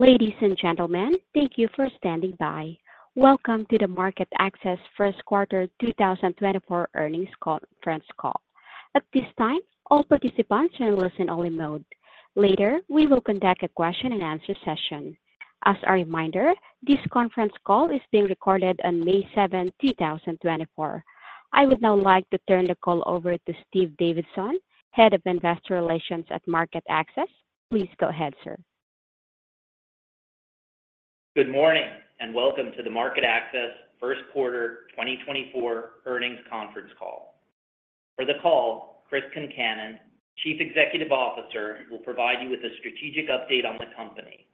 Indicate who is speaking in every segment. Speaker 1: Ladies and gentlemen, thank you for standing by. Welcome to the MarketAxess First Quarter 2024 Earnings Conference Call. At this time, all participants are in listen-only mode. Later, we will conduct a question-and-answer session. As a reminder, this conference call is being recorded on May 7, 2024. I would now like to turn the call over to Steve Davidson, Head of Investor Relations at MarketAxess. Please go ahead, sir.
Speaker 2: Good morning, and welcome to the MarketAxess First Quarter 2024 Earnings Conference Call. For the call, Chris Concannon, Chief Executive Officer, will provide you with a strategic update on the company.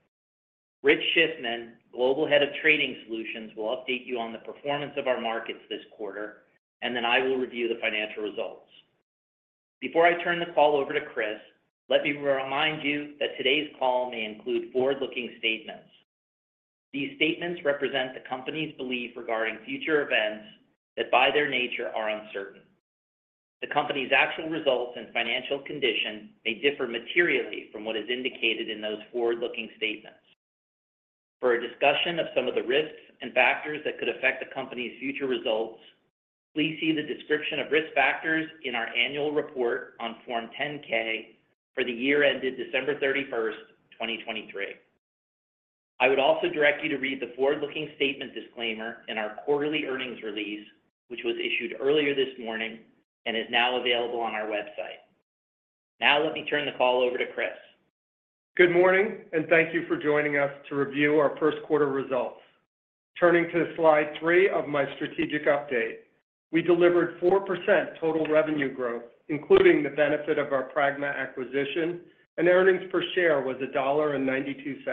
Speaker 2: Rich Schiffman, Global Head of Trading Solutions, will update you on the performance of our markets this quarter, and then I will review the financial results. Before I turn the call over to Chris, let me remind you that today's call may include forward-looking statements. These statements represent the company's belief regarding future events that, by their nature, are uncertain. The company's actual results and financial condition may differ materially from what is indicated in those forward-looking statements. For a discussion of some of the risks and factors that could affect the company's future results, please see the description of risk factors in our annual report on Form 10-K for the year ended December 31, 2023. I would also direct you to read the forward-looking statement disclaimer in our quarterly earnings release, which was issued earlier this morning and is now available on our website. Now, let me turn the call over to Chris.
Speaker 3: Good morning, and thank you for joining us to review our first quarter results. Turning to slide three of my strategic update. We delivered 4% total revenue growth, including the benefit of our Pragma acquisition, and earnings per share was $1.92.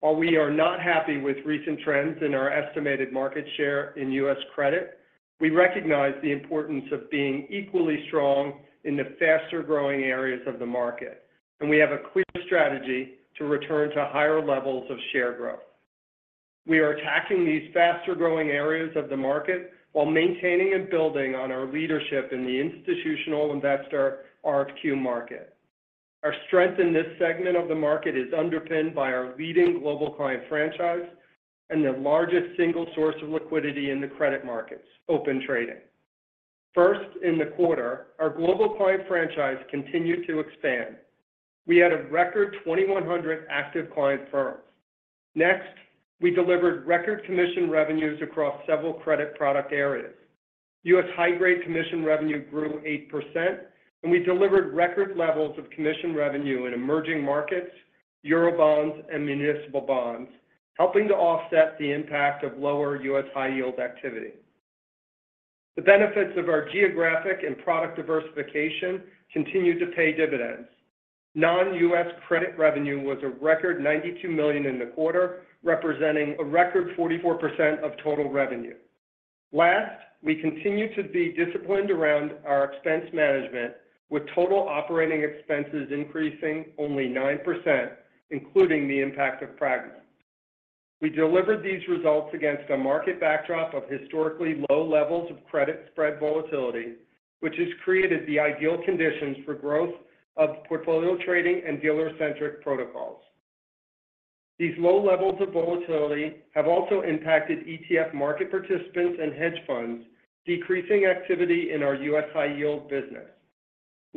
Speaker 3: While we are not happy with recent trends in our estimated market share in U.S. credit, we recognize the importance of being equally strong in the faster-growing areas of the market, and we have a clear strategy to return to higher levels of share growth. We are attacking these faster-growing areas of the market while maintaining and building on our leadership in the institutional investor RFQ market. Our strength in this segment of the market is underpinned by our leading global client franchise and the largest single source of liquidity in the credit markets, Open Trading. First, in the quarter, our global client franchise continued to expand. We had a record 2,100 active client firms. Next, we delivered record commission revenues across several credit product areas. U.S. high-grade commission revenue grew 8%, and we delivered record levels of commission revenue in emerging markets, Eurobonds, and municipal bonds, helping to offset the impact of lower U.S. high-yield activity. The benefits of our geographic and product diversification continue to pay dividends. Non-U.S. credit revenue was a record $92 million in the quarter, representing a record 44% of total revenue. Last, we continue to be disciplined around our expense management, with total operating expenses increasing only 9%, including the impact of Pragma. We delivered these results against a market backdrop of historically low levels of credit spread volatility, which has created the ideal conditions for growth of portfolio trading and dealer-centric protocols. These low levels of volatility have also impacted ETF market participants and hedge funds, decreasing activity in our U.S. high-yield business.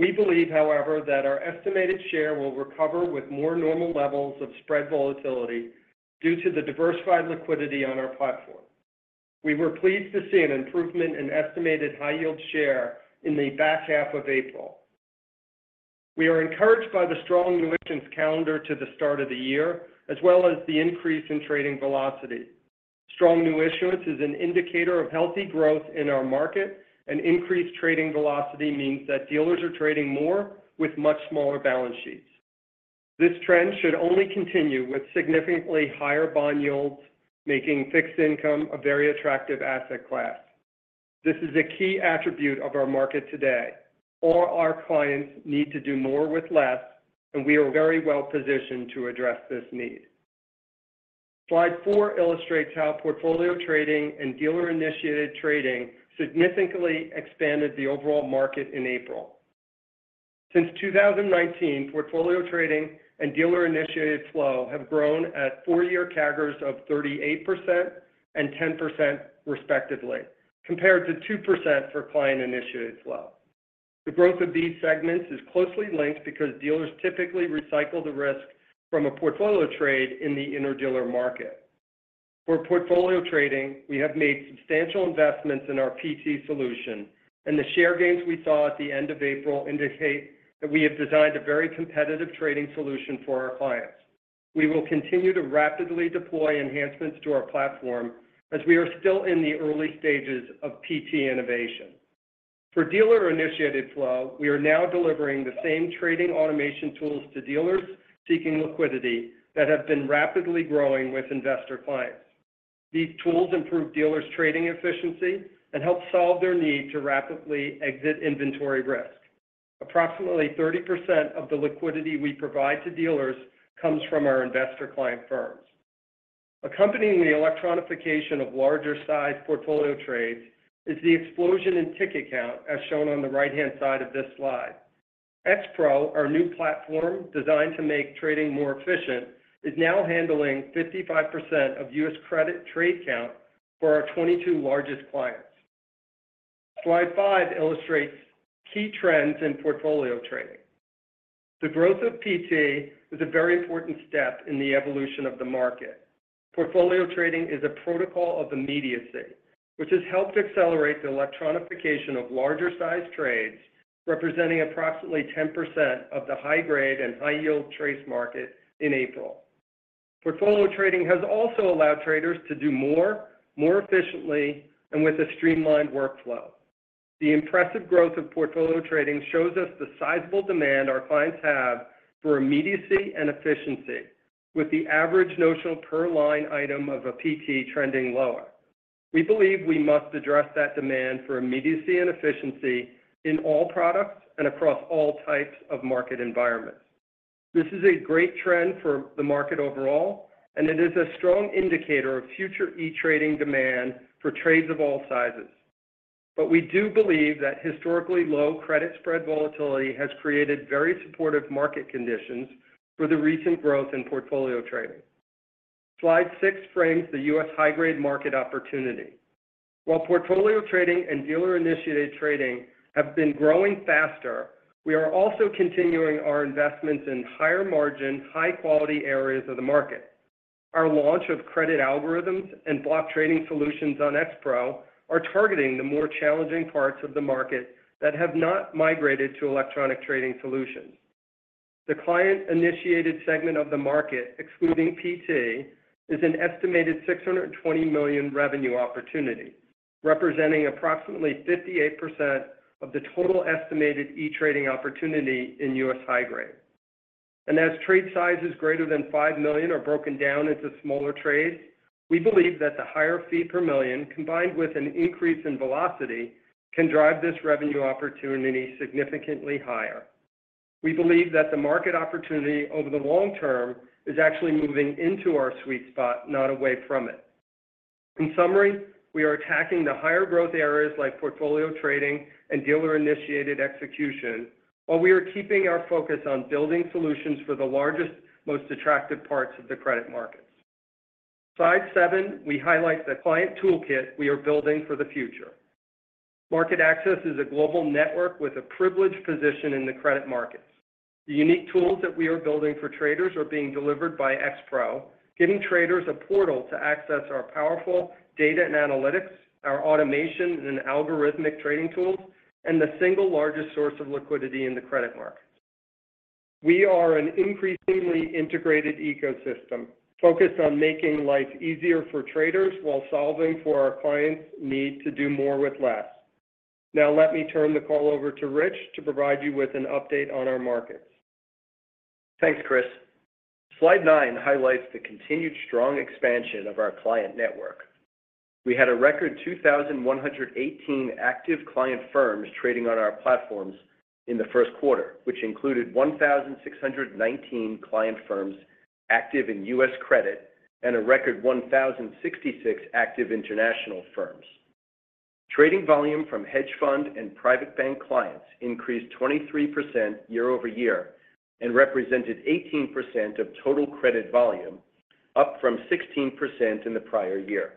Speaker 3: We believe, however, that our estimated share will recover with more normal levels of spread volatility due to the diversified liquidity on our platform. We were pleased to see an improvement in estimated high-yield share in the back half of April. We are encouraged by the strong new issuance calendar to the start of the year, as well as the increase in trading velocity. Strong new issuance is an indicator of healthy growth in our market, and increased trading velocity means that dealers are trading more with much smaller balance sheets. This trend should only continue with significantly higher bond yields, making fixed income a very attractive asset class. This is a key attribute of our market today. All our clients need to do more with less, and we are very well-positioned to address this need. Slide four illustrates how portfolio trading and dealer-initiated trading significantly expanded the overall market in April. Since 2019, portfolio trading and dealer-initiated flow have grown at four-year CAGRs of 38% and 10%, respectively, compared to 2% for client-initiated flow. The growth of these segments is closely linked because dealers typically recycle the risk from a portfolio trade in the interdealer market. For portfolio trading, we have made substantial investments in our PT solution, and the share gains we saw at the end of April indicate that we have designed a very competitive trading solution for our clients. We will continue to rapidly deploy enhancements to our platform as we are still in the early stages of PT innovation. For dealer-initiated flow, we are now delivering the same trading automation tools to dealers seeking liquidity that have been rapidly growing with investor clients. These tools improve dealers' trading efficiency and help solve their need to rapidly exit inventory risk. Approximately 30% of the liquidity we provide to dealers comes from our investor client firms. Accompanying the electronification of larger-sized portfolio trades is the explosion in ticket count, as shown on the right-hand side of this slide. X Pro, our new platform designed to make trading more efficient, is now handling 55% of U.S. credit trade count for our 22 largest clients. Slide five illustrates key trends in portfolio trading. The growth of PT is a very important step in the evolution of the market. Portfolio trading is a protocol of immediacy, which has helped accelerate the electronification of larger-sized trades, representing approximately 10% of the high-grade and high-yield trade market in April. portfolio trading has also allowed traders to do more, more efficiently, and with a streamlined workflow. The impressive growth of portfolio trading shows us the sizable demand our clients have for immediacy and efficiency, with the average notional per line item of a PT trending lower. We believe we must address that demand for immediacy and efficiency in all products and across all types of market environments. This is a great trend for the market overall, and it is a strong indicator of future e-trading demand for trades of all sizes. But we do believe that historically low credit spread volatility has created very supportive market conditions for the recent growth in portfolio trading. Slide 6 frames the U.S. high-grade market opportunity. While portfolio trading and dealer-initiated trading have been growing faster, we are also continuing our investments in higher margin, high-quality areas of the market. Our launch of credit algorithms and block trading solutions on X-Pro are targeting the more challenging parts of the market that have not migrated to electronic trading solutions. The client-initiated segment of the market, excluding PT, is an estimated $620 million revenue opportunity, representing approximately 58% of the total estimated e-trading opportunity in U.S. high-grade. And as trade sizes greater than $5 million are broken down into smaller trades, we believe that the higher fee per million, combined with an increase in velocity, can drive this revenue opportunity significantly higher. We believe that the market opportunity over the long term is actually moving into our sweet spot, not away from it. In summary, we are attacking the higher growth areas like portfolio trading and dealer-initiated execution, while we are keeping our focus on building solutions for the largest, most attractive parts of the credit markets. Slide seven, we highlight the client toolkit we are building for the future. MarketAxess is a global network with a privileged position in the credit markets. The unique tools that we are building for traders are being delivered by X-Pro, giving traders a portal to access our powerful data and analytics, our automation and algorithmic trading tools, and the single largest source of liquidity in the credit markets. We are an increasingly integrated ecosystem, focused on making life easier for traders while solving for our clients' need to do more with less. Now, let me turn the call over to Rich to provide you with an update on our markets.
Speaker 4: Thanks, Chris. Slide nine highlights the continued strong expansion of our client network. We had a record 2,018 active client firms trading on our platforms in the first quarter, which included 1,619 client firms active in U.S. credit, and a record 1,066 active international firms. Trading volume from hedge fund and private bank clients increased 23% year-over-year and represented 18% of total credit volume, up from 16% in the prior year.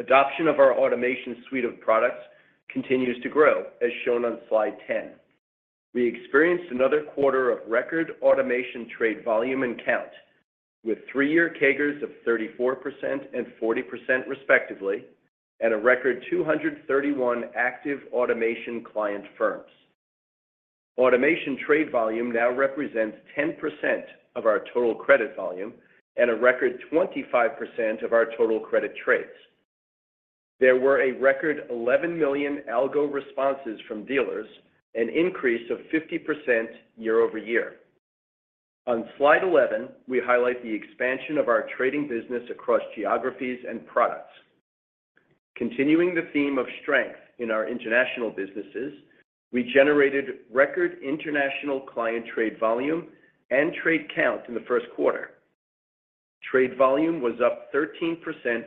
Speaker 4: Adoption of our automation suite of products continues to grow, as shown on slide 10. We experienced another quarter of record automation trade volume and count, with three-year CAGRs of 34% and 40% respectively, and a record 231 active automation client firms. Automation trade volume now represents 10% of our total credit volume and a record 25% of our total credit trades. There were a record 11 million algo responses from dealers, an increase of 50% year-over-year. On Slide 11, we highlight the expansion of our trading business across geographies and products. Continuing the theme of strength in our international businesses, we generated record international client trade volume and trade count in the first quarter. Trade volume was up 13%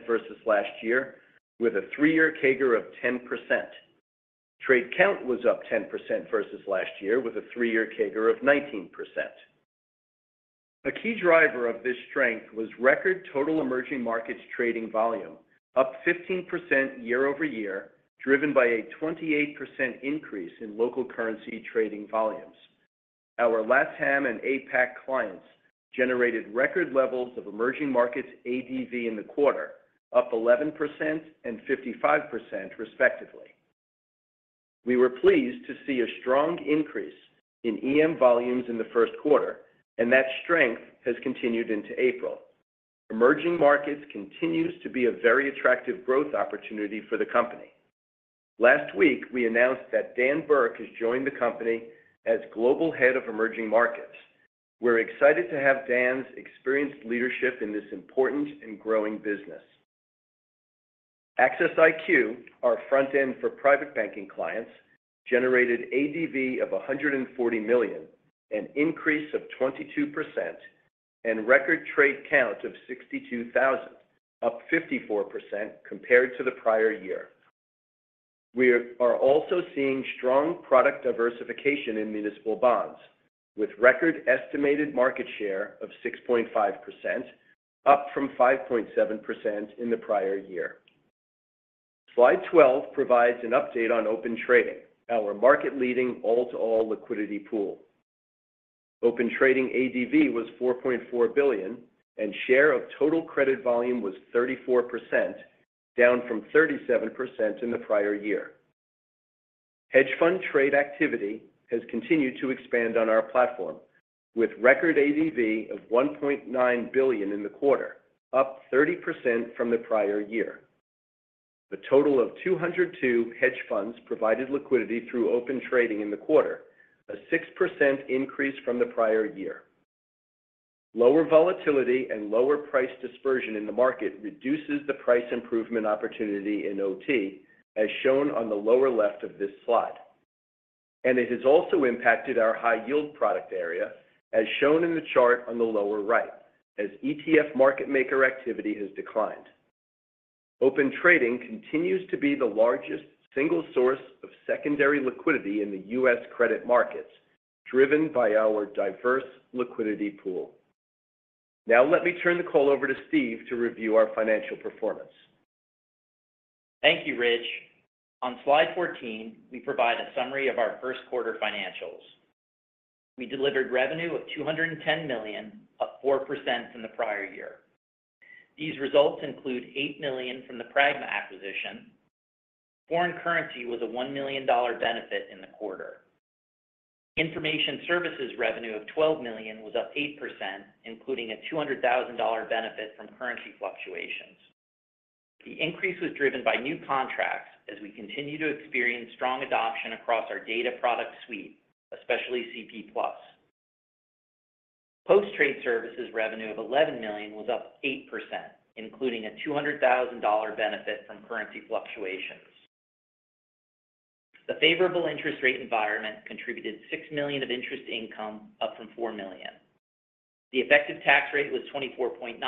Speaker 4: versus last year, with a three-year CAGR of 10%. Trade count was up 10% versus last year, with a three-year CAGR of 19%. A key driver of this strength was record total emerging markets trading volume, up 15% year-over-year, driven by a 28% increase in local currency trading volumes. Our LATAM and APAC clients generated record levels of emerging markets ADV in the quarter, up 11% and 55%, respectively. We were pleased to see a strong increase in EM volumes in the first quarter, and that strength has continued into April. Emerging markets continues to be a very attractive growth opportunity for the company. Last week, we announced that Dan Burke has joined the company as Global Head of Emerging Markets. We're excited to have Dan's experienced leadership in this important and growing business. Axess IQ, our front end for private banking clients, generated ADV of $140 million, an increase of 22%, and record trade count of 62,000, up 54% compared to the prior year. We are also seeing strong product diversification in municipal bonds, with record estimated market share of 6.5%, up from 5.7% in the prior year. Slide 12 provides an update on Open Trading, our market-leading all-to-all liquidity pool. Open Trading ADV was $4.4 billion, and share of total credit volume was 34%, down from 37% in the prior year. Hedge fund trade activity has continued to expand on our platform, with record ADV of $1.9 billion in the quarter, up 30% from the prior year. A total of 202 hedge funds provided liquidity through Open Trading in the quarter, a 6% increase from the prior year. Lower volatility and lower price dispersion in the market reduces the price improvement opportunity in OT, as shown on the lower left of this slide. It has also impacted our high-yield product area, as shown in the chart on the lower right, as ETF market maker activity has declined. Open Trading continues to be the largest single source of secondary liquidity in the U.S. credit markets, driven by our diverse liquidity pool. Now, let me turn the call over to Steve to review our financial performance.
Speaker 2: Thank you, Rich. On slide 14, we provide a summary of our first quarter financials. We delivered revenue of $210 million, up 4% from the prior year. These results include $8 million from the Pragma acquisition. Foreign currency was a $1 million benefit in the quarter. Information services revenue of $12 million was up 8%, including a $200,000 benefit from currency fluctuations. The increase was driven by new contracts as we continue to experience strong adoption across our data product suite, especially Composite+. Post-trade services revenue of $11 million was up 8%, including a $200,000 benefit from currency fluctuations. The favorable interest rate environment contributed $6 million of interest income, up from $4 million. The effective tax rate was 24.9%,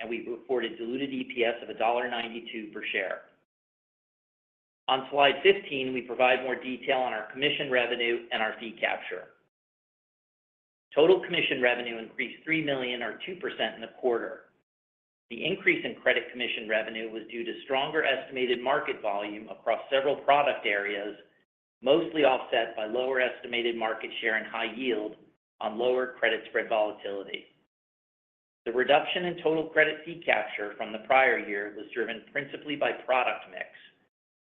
Speaker 2: and we reported diluted EPS of $1.92 per share. On Slide 15, we provide more detail on our commission revenue and our fee capture. Total commission revenue increased $3 million, or 2% in the quarter. The increase in credit commission revenue was due to stronger estimated market volume across several product areas, mostly offset by lower estimated market share and high-yield on lower credit spread volatility. The reduction in total credit fee capture from the prior year was driven principally by product mix,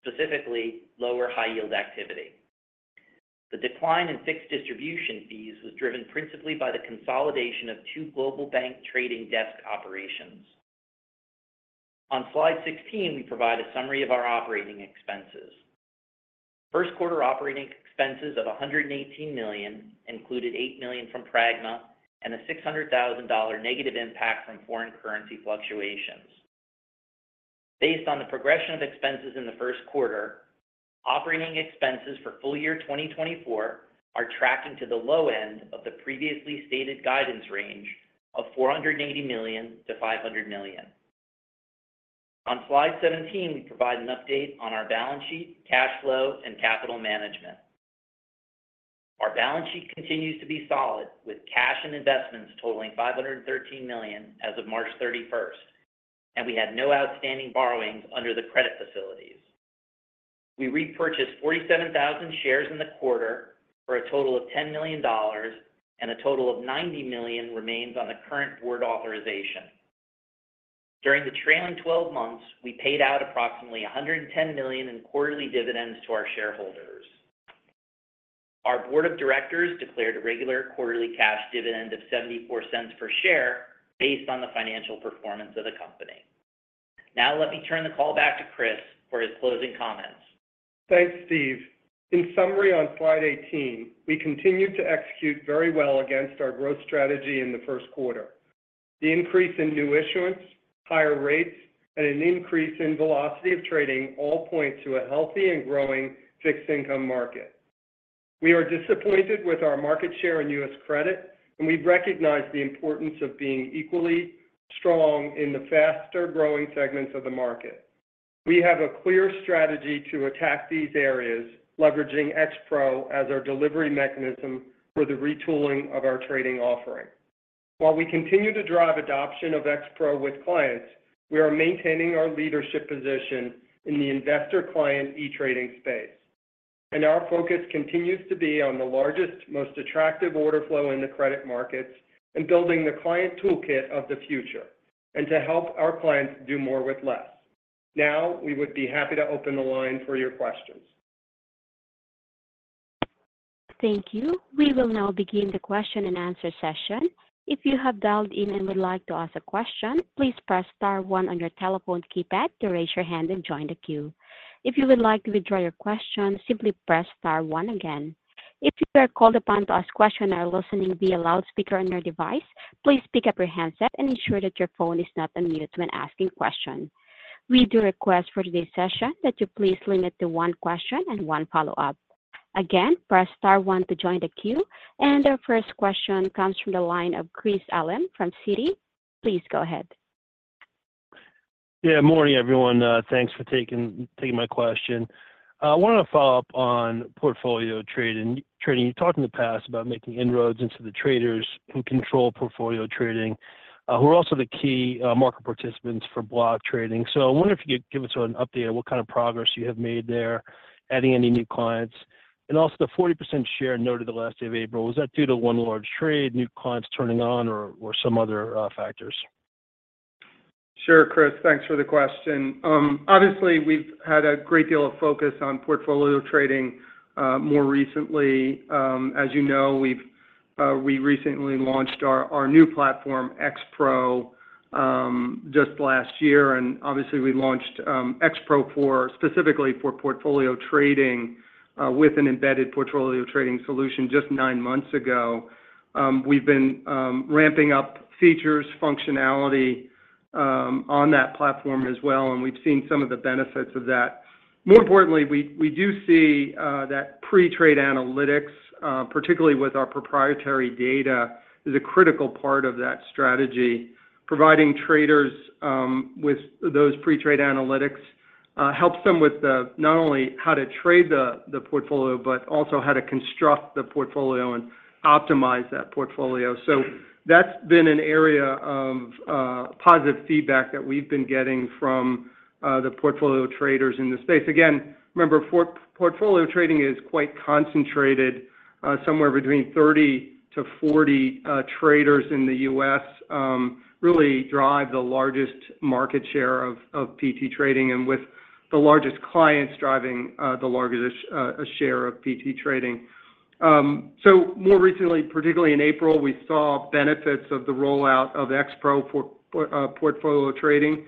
Speaker 2: specifically lower high-yield activity. The decline in fixed distribution fees was driven principally by the consolidation of two global bank trading desk operations. On Slide 16, we provide a summary of our operating expenses. First quarter operating expenses of $118 million included $8 million from Pragma and a $600,000 negative impact from foreign currency fluctuations. Based on the progression of expenses in the first quarter, operating expenses for full year 2024 are tracking to the low end of the previously stated guidance range of $480 million-$500 million. On Slide 17, we provide an update on our balance sheet, cash flow, and capital management. Our balance sheet continues to be solid, with cash and investments totaling $513 million as of March 31, and we had no outstanding borrowings under the credit facilities. We repurchased 47,000 shares in the quarter for a total of $10 million, and a total of $90 million remains on the current board authorization. During the trailing 12 months, we paid out approximately $110 million in quarterly dividends to our shareholders. Our board of directors declared a regular quarterly cash dividend of $0.74 per share based on the financial performance of the company. Now, let me turn the call back to Chris for his closing comments.
Speaker 3: Thanks, Steve. In summary, on slide 18, we continued to execute very well against our growth strategy in the first quarter. The increase in new issuance, higher rates, and an increase in velocity of trading all point to a healthy and growing fixed income market. We are disappointed with our market share in U.S. credit, and we recognize the importance of being equally strong in the faster-growing segments of the market. We have a clear strategy to attack these areas, leveraging X-Pro as our delivery mechanism for the retooling of our trading offering. While we continue to drive adoption of X-Pro with clients, we are maintaining our leadership position in the investor-client e-trading space, and our focus continues to be on the largest, most attractive order flow in the credit markets and building the client toolkit of the future and to help our clients do more with less. Now, we would be happy to open the line for your questions.
Speaker 1: Thank you. We will now begin the question-and-answer session. If you have dialed in and would like to ask a question, please press star one on your telephone keypad to raise your hand and join the queue. If you would like to withdraw your question, simply press star one again... If you are called upon to ask questions or are listening via loudspeaker on your device, please pick up your handset and ensure that your phone is not on mute when asking questions. We do request for today's session that you please limit to one question and one follow-up. Again, press star one to join the queue, and our first question comes from the line of Chris Allen from Citi. Please go ahead.
Speaker 5: Yeah, morning, everyone. Thanks for taking my question. I wanted to follow up on portfolio trading. You talked in the past about making inroads into the traders who control portfolio trading, who are also the key market participants for block trading. So I wonder if you could give us an update on what kind of progress you have made there, adding any new clients, and also the 40% share noted the last day of April, was that due to one large trade, new clients turning on, or some other factors?
Speaker 3: Sure, Chris. Thanks for the question. Obviously, we've had a great deal of focus on portfolio trading, more recently. As you know, we've recently launched our new platform, X-Pro, just last year, and obviously, we launched X-Pro specifically for portfolio trading, with an embedded portfolio trading solution just nine months ago. We've been ramping up features, functionality, on that platform as well, and we've seen some of the benefits of that. More importantly, we do see that pre-trade analytics, particularly with our proprietary data, is a critical part of that strategy. Providing traders with those pre-trade analytics helps them with not only how to trade the portfolio, but also how to construct the portfolio and optimize that portfolio. So that's been an area of positive feedback that we've been getting from the portfolio traders in the space. Again, remember, Portfolio Trading is quite concentrated. Somewhere between 30-40 traders in the U.S. really drive the largest market share of PT trading, and with the largest clients driving the largest share of PT trading. So more recently, particularly in April, we saw benefits of the rollout of X-Pro for Portfolio Trading.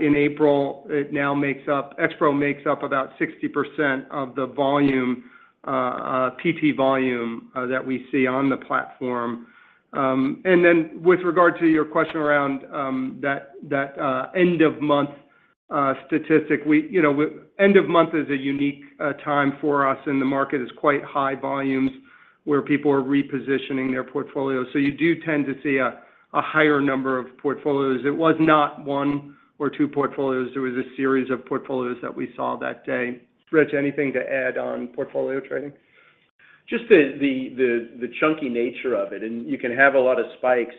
Speaker 3: In April, it now makes up... X-Pro makes up about 60% of the volume, PT volume, that we see on the platform. And then with regard to your question around that, that end-of-month statistic, we, you know. End of month is a unique time for us, and the market is quite high volumes where people are repositioning their portfolio. So you do tend to see a higher number of portfolios. It was not one or two portfolios. It was a series of portfolios that we saw that day. Rich, anything to add on Portfolio Trading?
Speaker 4: Just the chunky nature of it, and you can have a lot of spikes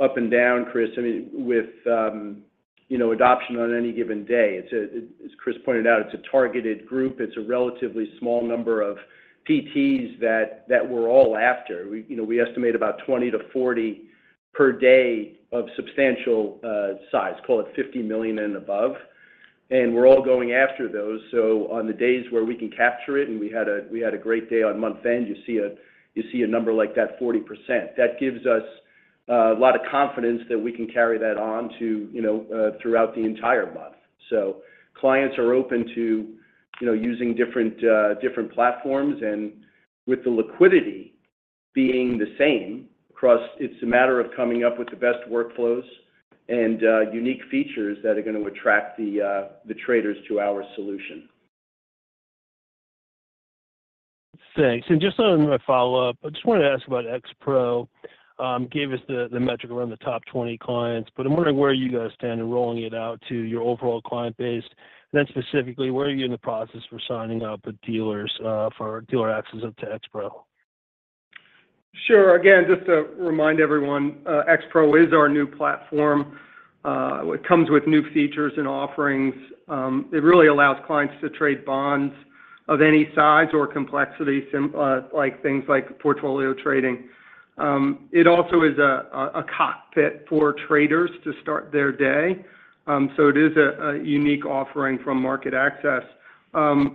Speaker 4: up and down, Chris, I mean, with, you know, adoption on any given day. It's a, as Chris pointed out, it's a targeted group. It's a relatively small number of PTs that we're all after. We, you know, we estimate about 20-40 per day of substantial size, call it $50 million and above, and we're all going after those. So on the days where we can capture it, and we had a great day on month-end, you see a number like that 40%. That gives us a lot of confidence that we can carry that on to, you know, throughout the entire month. So clients are open to, you know, using different platforms, and with the liquidity being the same across, it's a matter of coming up with the best workflows and unique features that are gonna attract the traders to our solution.
Speaker 5: Thanks. And just on my follow-up, I just wanted to ask about X-Pro. Gave us the metric around the top 20 clients, but I'm wondering where you guys stand in rolling it out to your overall client base. Then specifically, where are you in the process for signing up with dealers for dealer access up to X-Pro?
Speaker 3: Sure. Again, just to remind everyone, X-Pro is our new platform. It comes with new features and offerings. It really allows clients to trade bonds of any size or complexity, like, things like portfolio trading. It also is a cockpit for traders to start their day, so it is a unique offering from MarketAxess.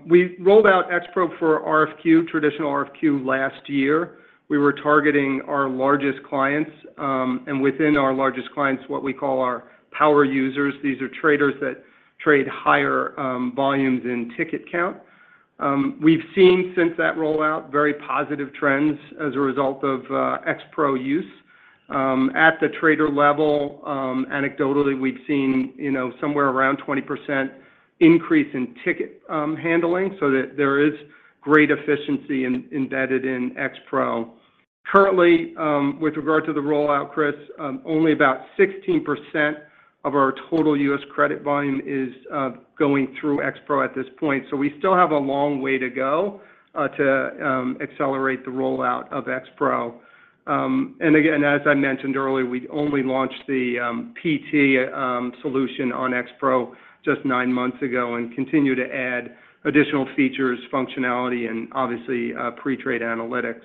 Speaker 3: We rolled out X-Pro for RFQ, traditional RFQ, last year. We were targeting our largest clients, and within our largest clients, what we call our power users. These are traders that trade higher volumes in ticket count. We've seen since that rollout, very positive trends as a result of X-Pro use. At the trader level, anecdotally, we've seen, you know, somewhere around 20% increase in ticket handling, so that there is great efficiency in embedded in X-Pro. Currently, with regard to the rollout, Chris, only about 16% of our total U.S. credit volume is going through X-Pro at this point. So we still have a long way to go to accelerate the rollout of X-Pro. And again, as I mentioned earlier, we only launched the PT solution on X-Pro just nine months ago and continue to add additional features, functionality, and obviously pre-trade analytics.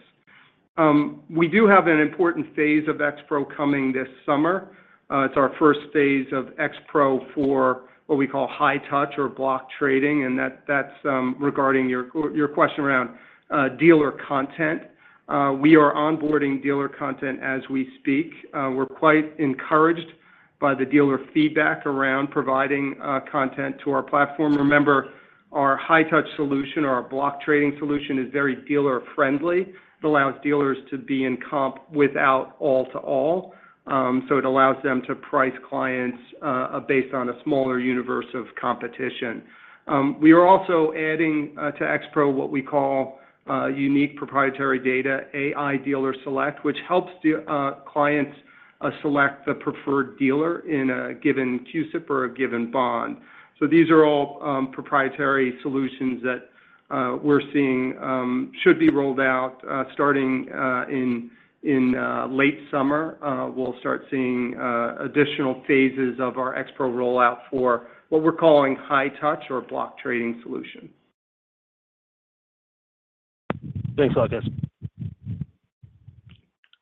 Speaker 3: We do have an important phase of X-Pro coming this summer. It's our first phase of X-Pro for what we call high-touch or block trading, and that's regarding your question around dealer content. We are onboarding dealer content as we speak. We're quite encouraged by the dealer feedback around providing content to our platform. Remember, our high-touch solution or our block trading solution is very dealer-friendly. It allows dealers to be in comp without all-to-all. So it allows them to price clients based on a smaller universe of competition. We are also adding to X-Pro what we call unique proprietary data, AI Dealer Select, which helps clients select the preferred dealer in a given CUSIP or a given bond. So these are all proprietary solutions that we're seeing should be rolled out starting in late summer. We'll start seeing additional phases of our X-Pro rollout for what we're calling high-touch or block trading solution.
Speaker 5: Thanks, August.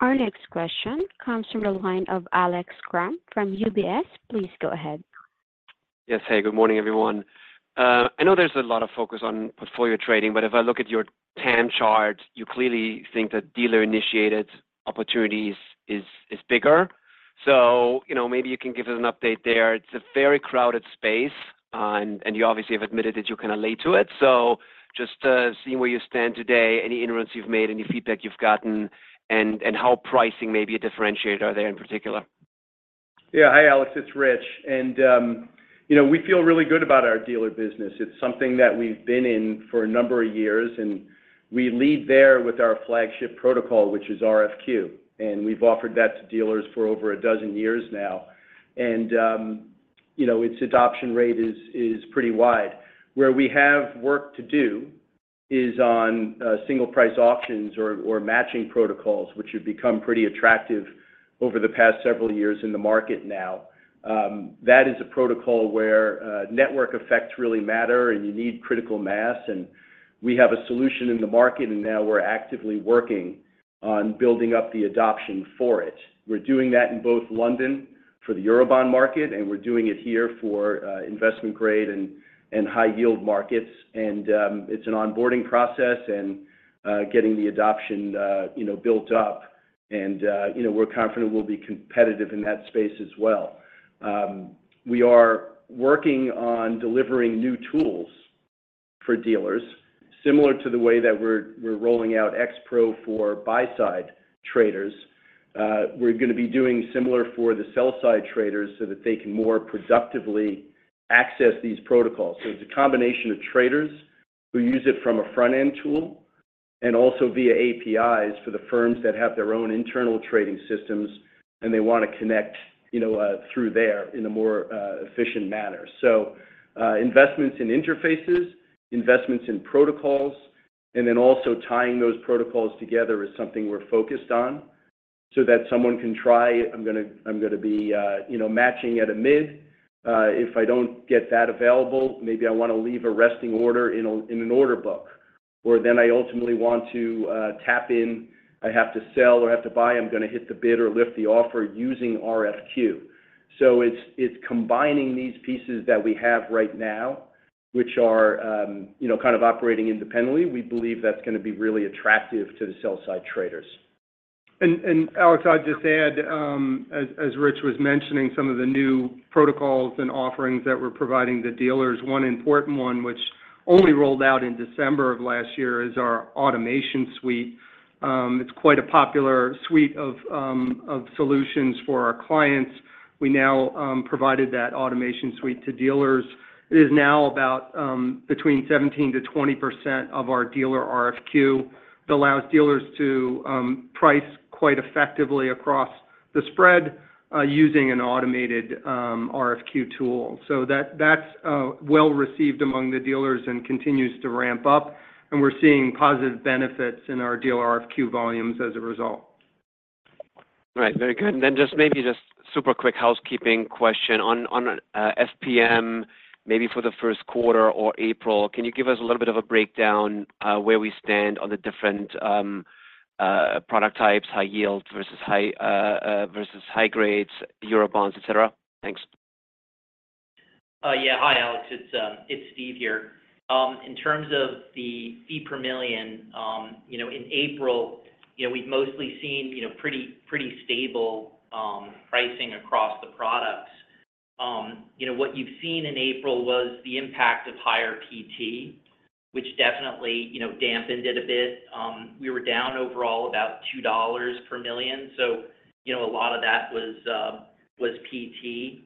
Speaker 1: Our next question comes from the line of Alex Kramm from UBS. Please go ahead.
Speaker 6: Yes. Hey, good morning, everyone. I know there's a lot of focus on portfolio trading, but if I look at your TAM chart, you clearly think that dealer-initiated opportunities is bigger. So, you know, maybe you can give us an update there. It's a very crowded space, and you obviously have admitted that you're kind of late to it. So just seeing where you stand today, any inroads you've made, any feedback you've gotten, and how pricing may be a differentiator there in particular.
Speaker 4: Yeah. Hi, Alex, it's Rich. And, you know, we feel really good about our dealer business. It's something that we've been in for a number of years, and we lead there with our flagship protocol, which is RFQ, and we've offered that to dealers for over a dozen years now. And, you know, its adoption rate is pretty wide. Where we have work to do is on single-price auctions or matching protocols, which have become pretty attractive over the past several years in the market now. That is a protocol where network effects really matter, and you need critical mass, and we have a solution in the market, and now we're actively working on building up the adoption for it. We're doing that in both London for the Eurobond market, and we're doing it here for investment-grade and high-yield markets. And, it's an onboarding process and, getting the adoption, you know, built up. And, you know, we're confident we'll be competitive in that space as well. We are working on delivering new tools for dealers, similar to the way that we're rolling out X-Pro for buy-side traders. We're gonna be doing similar for the sell-side traders so that they can more productively access these protocols. So it's a combination of traders who use it from a front-end tool and also via APIs for the firms that have their own internal trading systems, and they want to connect, you know, through there in a more efficient manner. So, investments in interfaces, investments in protocols, and then also tying those protocols together is something we're focused on so that someone can try... I'm gonna be, you know, matching at a mid. If I don't get that available, maybe I want to leave a resting order in an order book. Or then I ultimately want to tap in, I have to sell or I have to buy, I'm gonna hit the bid or lift the offer using RFQ. So it's combining these pieces that we have right now, which are, you know, kind of operating independently. We believe that's gonna be really attractive to the sell-side traders.
Speaker 3: Alex, I'd just add, as Rich was mentioning, some of the new protocols and offerings that we're providing to dealers, one important one, which only rolled out in December of last year, is our automation suite. It's quite a popular suite of solutions for our clients. We now provided that automation suite to dealers. It is now about between 17%-20% of our dealer RFQ, that allows dealers to price quite effectively across the spread, using an automated RFQ tool. So that's well-received among the dealers and continues to ramp up, and we're seeing positive benefits in our dealer RFQ volumes as a result.
Speaker 6: All right. Very good. And then just maybe just super quick housekeeping question on, on, FPM, maybe for the first quarter or April. Can you give us a little bit of a breakdown, where we stand on the different, product types, high-yield versus high, versus high-grade, Eurobonds, et cetera? Thanks.
Speaker 2: Yeah. Hi, Alex, it's Steve here. In terms of the fee per million, you know, in April, you know, we've mostly seen, you know, pretty, pretty stable pricing across the products. You know, what you've seen in April was the impact of higher PT, which definitely, you know, dampened it a bit. We were down overall about $2 per million, so, you know, a lot of that was PT.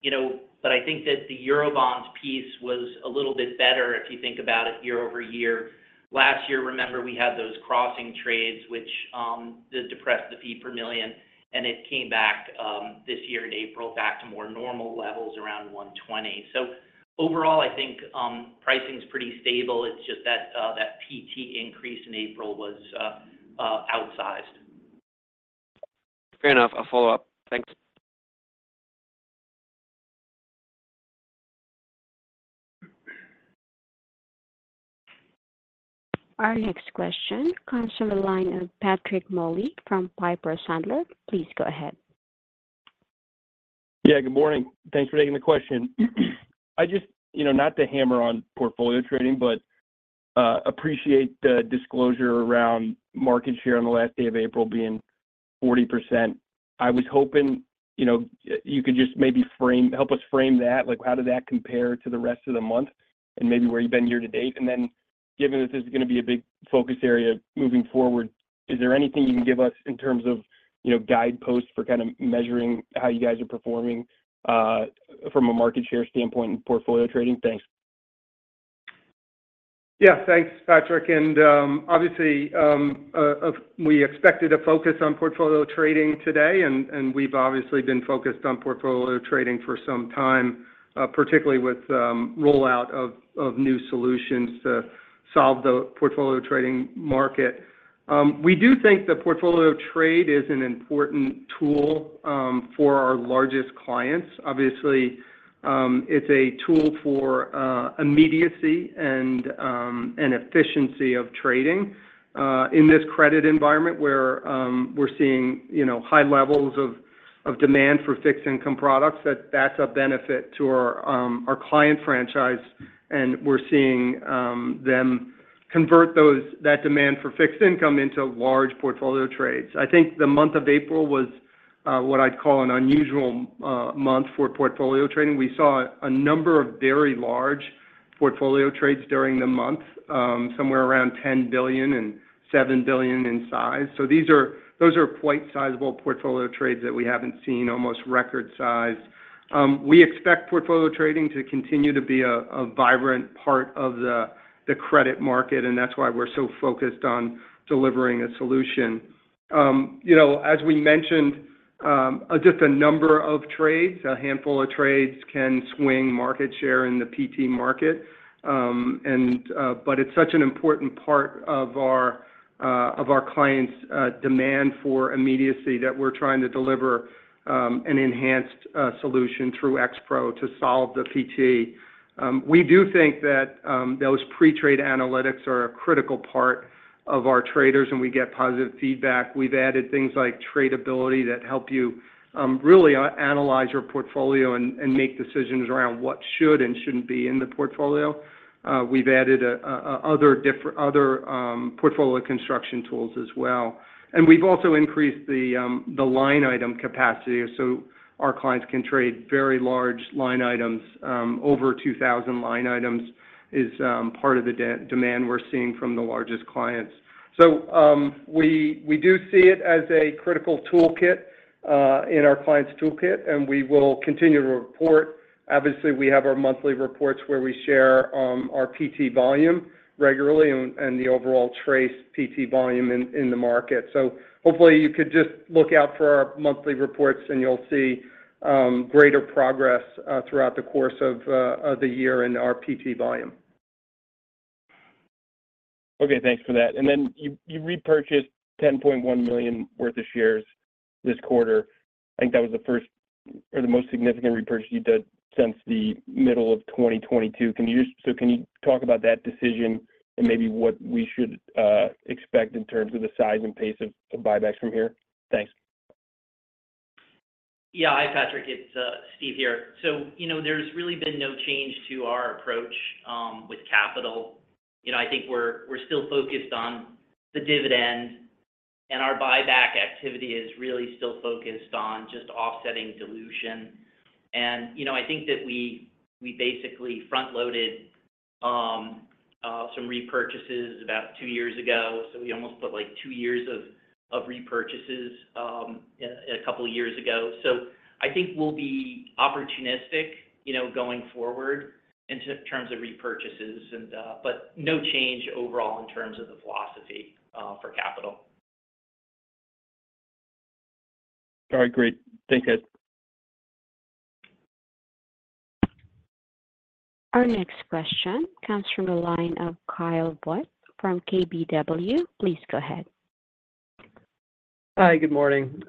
Speaker 2: You know, but I think that the Eurobonds piece was a little bit better if you think about it year-over-year. Last year, remember, we had those crossing trades, which did depress the fee per million, and it came back this year in April, back to more normal levels around $120. So overall, I think pricing is pretty stable. It's just that, that PT increase in April was, outsized.
Speaker 6: Fair enough. I'll follow up. Thanks.
Speaker 1: Our next question comes from the line of Patrick Moley from Piper Sandler. Please go ahead....
Speaker 7: Yeah, good morning. Thanks for taking the question. I just, you know, not to hammer on portfolio trading, but appreciate the disclosure around market share on the last day of April being 40%. I was hoping, you know, you could just maybe frame, help us frame that. Like, how did that compare to the rest of the month, and maybe where you've been year to date? And then, given that this is going to be a big focus area moving forward, is there anything you can give us in terms of, you know, guideposts for kind of measuring how you guys are performing from a market share standpoint in portfolio trading? Thanks.
Speaker 3: Yeah. Thanks, Patrick. And, obviously, we expected to focus on portfolio trading today, and we've obviously been focused on portfolio trading for some time, particularly with rollout of new solutions to solve the portfolio trading market. We do think the portfolio trade is an important tool for our largest clients. Obviously, it's a tool for immediacy and efficiency of trading. In this credit environment where we're seeing, you know, high levels of demand for fixed income products, that's a benefit to our client franchise, and we're seeing them convert that demand for fixed income into large portfolio trades. I think the month of April was what I'd call an unusual month for portfolio trading. We saw a number of very large portfolio trades during the month, somewhere around $10 billion and $7 billion in size. So these are—those are quite sizable portfolio trades that we haven't seen, almost record size. We expect portfolio trading to continue to be a vibrant part of the credit market, and that's why we're so focused on delivering a solution. You know, as we mentioned, just a number of trades, a handful of trades can swing market share in the PT market. And, but it's such an important part of our clients' demand for immediacy that we're trying to deliver, an enhanced solution through X-Pro to solve the PT. We do think that those pre-trade analytics are a critical part of our traders, and we get positive feedback. We've added things like tradability that help you really analyze your portfolio and make decisions around what should and shouldn't be in the portfolio. We've added other portfolio construction tools as well. And we've also increased the line item capacity, so our clients can trade very large line items. Over 2,000 line items is part of the demand we're seeing from the largest clients. So we do see it as a critical toolkit in our clients' toolkit, and we will continue to report. Obviously, we have our monthly reports where we share our PT volume regularly and the overall TRACE PT volume in the market. So hopefully, you could just look out for our monthly reports, and you'll see greater progress throughout the course of the year in our PT volume.
Speaker 7: Okay, thanks for that. And then you repurchased $10.1 million worth of shares this quarter. I think that was the first or the most significant repurchase you did since the middle of 2022. So can you talk about that decision and maybe what we should expect in terms of the size and pace of buybacks from here? Thanks.
Speaker 2: Yeah. Hi, Patrick, it's Steve here. So, you know, there's really been no change to our approach with capital. You know, I think we're still focused on the dividend, and our buyback activity is really still focused on just offsetting dilution. And, you know, I think that we basically front-loaded some repurchases about two years ago, so we almost put, like, two years of repurchases a couple of years ago. So I think we'll be opportunistic, you know, going forward in terms of repurchases and. But no change overall in terms of the philosophy for capital.
Speaker 7: All right, great. Thank you.
Speaker 1: Our next question comes from the line of Kyle Voigt from KBW. Please go ahead.
Speaker 8: Hi, good morning.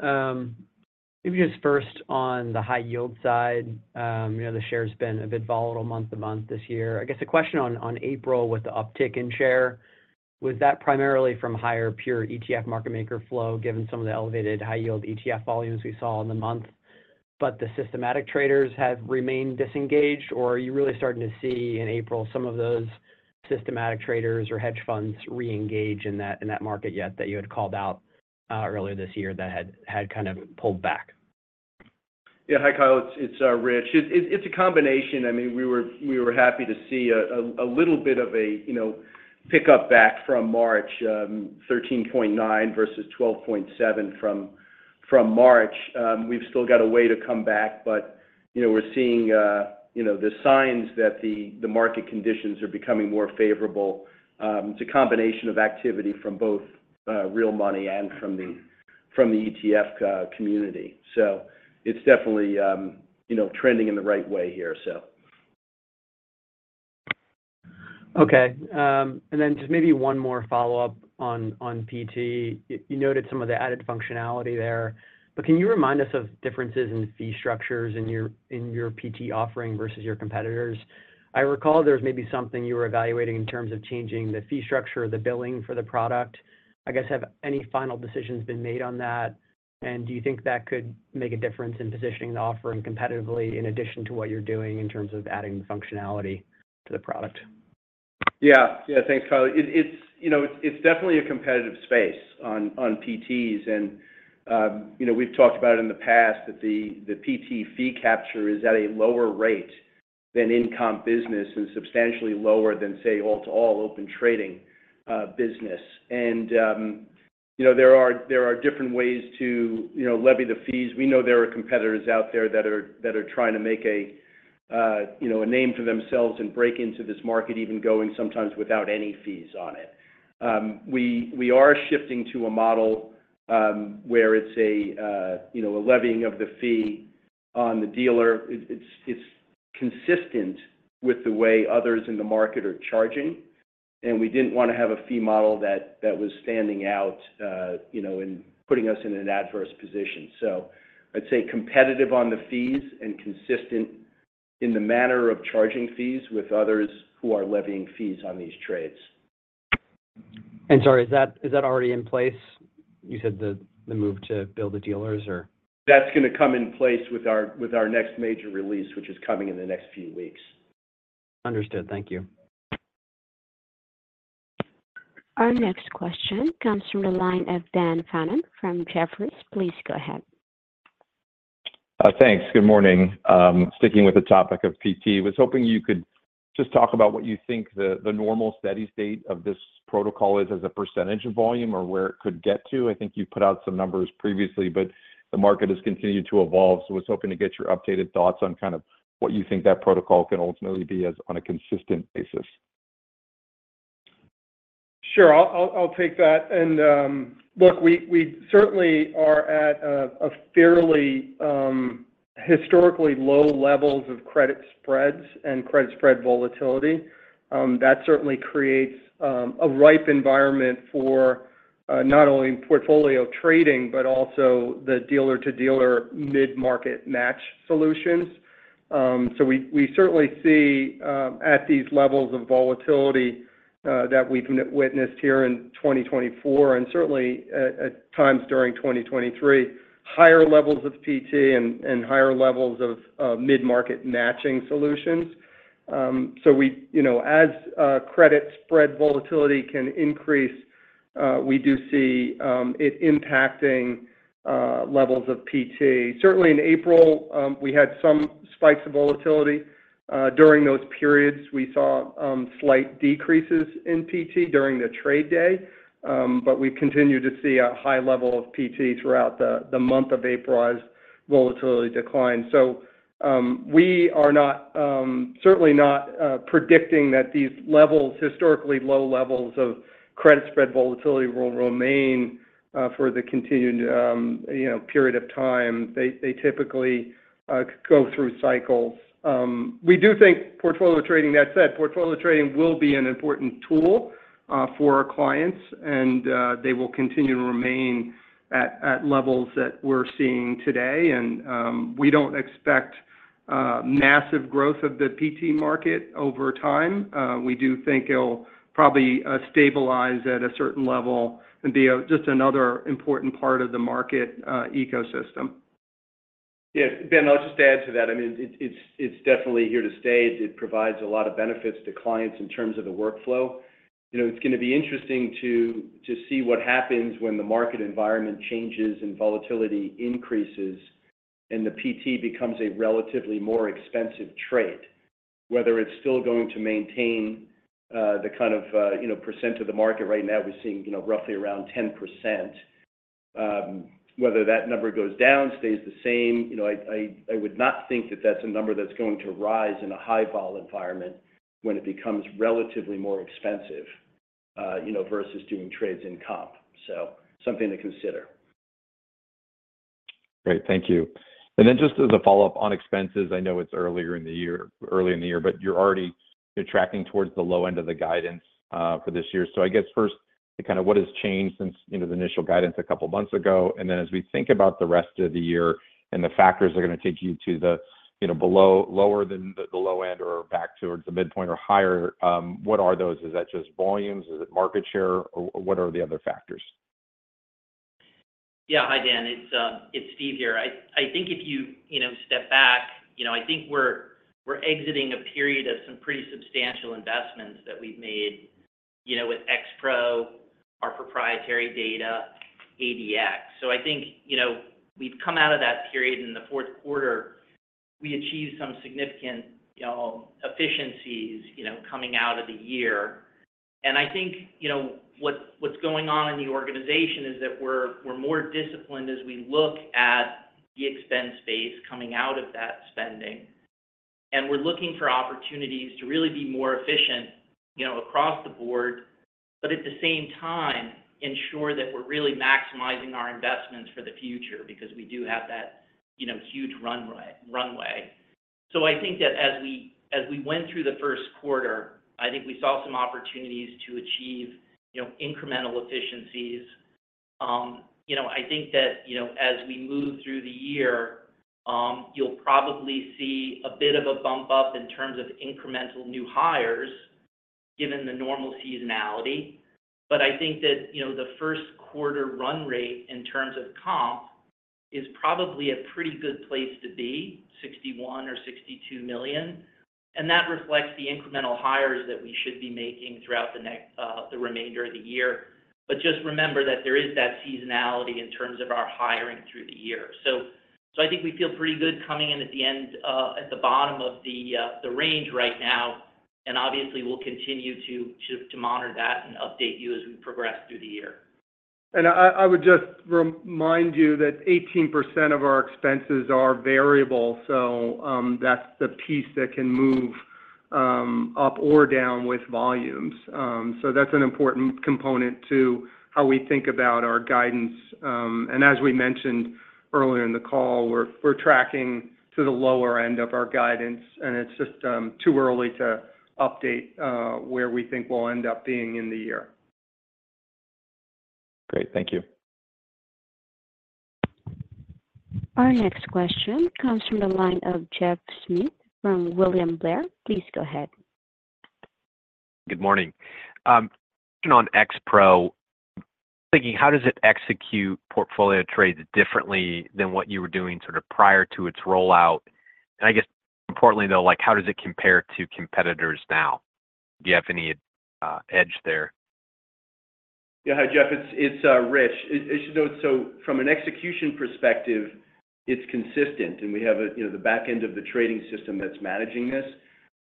Speaker 8: Maybe just first on the high-yield side, you know, the share has been a bit volatile month-to-month this year. I guess the question on April with the uptick in share, was that primarily from higher pure ETF market maker flow, given some of the elevated high-yield ETF volumes we saw in the month, but the systematic traders have remained disengaged? Or are you really starting to see, in April, some of those systematic traders or hedge funds reengage in that market yet, that you had called out earlier this year, that had kind of pulled back?
Speaker 4: Yeah. Hi, Kyle, it's Rich. It's a combination. I mean, we were happy to see a little bit of a, you know, pick up back from March, 13.9 versus 12.7 from March. We've still got a way to come back, but, you know, we're seeing the signs that the market conditions are becoming more favorable. It's a combination of activity from both real money and from the ETF community. So it's definitely trending in the right way here, so.
Speaker 8: Okay. And then just maybe one more follow-up on PT. You noted some of the added functionality there, but can you remind us of differences in fee structures in your PT offering versus your competitors? I recall there was maybe something you were evaluating in terms of changing the fee structure or the billing for the product. I guess, have any final decisions been made on that? And do you think that could make a difference in positioning the offering competitively, in addition to what you're doing in terms of adding functionality to the product? ...
Speaker 4: Yeah. Yeah, thanks, Kyle. It's, you know, it's definitely a competitive space on PTs. And, you know, we've talked about it in the past, that the PT fee capture is at a lower rate than in comp business, and substantially lower than, say, all-to-all Open Trading business. And, you know, there are different ways to, you know, levy the fees. We know there are competitors out there that are trying to make a, you know, a name for themselves and break into this market, even going sometimes without any fees on it. We are shifting to a model where it's a levying of the fee on the dealer. It's consistent with the way others in the market are charging, and we didn't want to have a fee model that was standing out, you know, and putting us in an adverse position. So I'd say competitive on the fees and consistent in the manner of charging fees with others who are levying fees on these trades.
Speaker 8: And sorry, is that, is that already in place? You said the, the move to bill the dealers or-
Speaker 4: That's going to come in place with our, with our next major release, which is coming in the next few weeks.
Speaker 8: Understood. Thank you.
Speaker 1: Our next question comes from the line of Dan Fannon from Jefferies. Please go ahead.
Speaker 9: Thanks. Good morning. Sticking with the topic of PT, was hoping you could just talk about what you think the normal steady state of this protocol is as a percentage of volume or where it could get to. I think you put out some numbers previously, but the market has continued to evolve, so I was hoping to get your updated thoughts on kind of what you think that protocol can ultimately be as on a consistent basis.
Speaker 3: Sure. I'll take that. And, look, we certainly are at a fairly historically low levels of credit spreads and credit spread volatility. That certainly creates a ripe environment for not only portfolio trading, but also the dealer-to-dealer mid-market match solutions. So we certainly see at these levels of volatility that we've witnessed here in 2024, and certainly at times during 2023, higher levels of PT and higher levels of mid-market matching solutions. So we, you know, as credit spread volatility can increase, we do see it impacting levels of PT. Certainly in April, we had some spikes of volatility. During those periods, we saw slight decreases in PT during the trade day, but we continued to see a high level of PT throughout the month of April as volatility declined. So, we are certainly not predicting that these levels, historically low levels of credit spread volatility, will remain for the continued, you know, period of time. They typically go through cycles. We do think portfolio trading. That said, portfolio trading will be an important tool for our clients, and they will continue to remain at levels that we're seeing today. And we don't expect massive growth of the PT market over time. We do think it'll probably stabilize at a certain level and be just another important part of the market ecosystem.
Speaker 4: Yeah. Dan, I'll just add to that. I mean, it's definitely here to stay. It provides a lot of benefits to clients in terms of the workflow. You know, it's going to be interesting to see what happens when the market environment changes and volatility increases, and the PT becomes a relatively more expensive trade. Whether it's still going to maintain the kind of you know, percent of the market. Right now, we're seeing, you know, roughly around 10%. Whether that number goes down, stays the same, you know, I would not think that that's a number that's going to rise in a high vol environment when it becomes relatively more expensive, you know, versus doing trades in comp. So something to consider.
Speaker 9: Great. Thank you. And then just as a follow-up on expenses, I know it's earlier in the year, early in the year, but you're already tracking towards the low end of the guidance for this year. So I guess first, kind of what has changed since, you know, the initial guidance a couple of months ago? And then, as we think about the rest of the year and the factors that are going to take you to the, you know, lower than the low end or back towards the midpoint or higher, what are those? Is that just volumes? Is it market share, or what are the other factors?
Speaker 2: Yeah. Hi, Dan. It's Steve here. I think if you step back, you know, I think we're exiting a period of some pretty substantial investments that we've made, you know, with X-Pro, our proprietary data, ADS. So I think, you know, we've come out of that period. In the fourth quarter, we achieved some significant efficiencies, you know, coming out of the year. And I think, you know, what's going on in the organization is that we're more disciplined as we look at the expense base coming out of that spending. And we're looking for opportunities to really be more efficient, you know, across the board, but at the same time, ensure that we're really maximizing our investments for the future because we do have that, you know, huge runway. So I think that as we went through the first quarter, I think we saw some opportunities to achieve, you know, incremental efficiencies. You know, I think that, you know, as we move through the year, you'll probably see a bit of a bump up in terms of incremental new hires, given the normal seasonality. But I think that, you know, the first quarter run rate in terms of comp-... is probably a pretty good place to be, $61 million or $62 million, and that reflects the incremental hires that we should be making throughout the next, the remainder of the year. But just remember that there is that seasonality in terms of our hiring through the year. So, I think we feel pretty good coming in at the end, at the bottom of the range right now, and obviously, we'll continue to monitor that and update you as we progress through the year.
Speaker 3: I would just remind you that 18% of our expenses are variable, so that's the piece that can move up or down with volumes. So that's an important component to how we think about our guidance. And as we mentioned earlier in the call, we're tracking to the lower end of our guidance, and it's just too early to update where we think we'll end up being in the year.
Speaker 9: Great. Thank you.
Speaker 1: Our next question comes from the line of Jeff Schmitt from William Blair. Please go ahead.
Speaker 10: Good morning. On X-Pro, thinking, how does it execute portfolio trades differently than what you were doing sort of prior to its rollout? And I guess, importantly, though, like, how does it compare to competitors now? Do you have any edge there?
Speaker 4: Yeah. Hi, Jeff. It's Rich. So from an execution perspective, it's consistent, and we have, you know, the back end of the trading system that's managing this.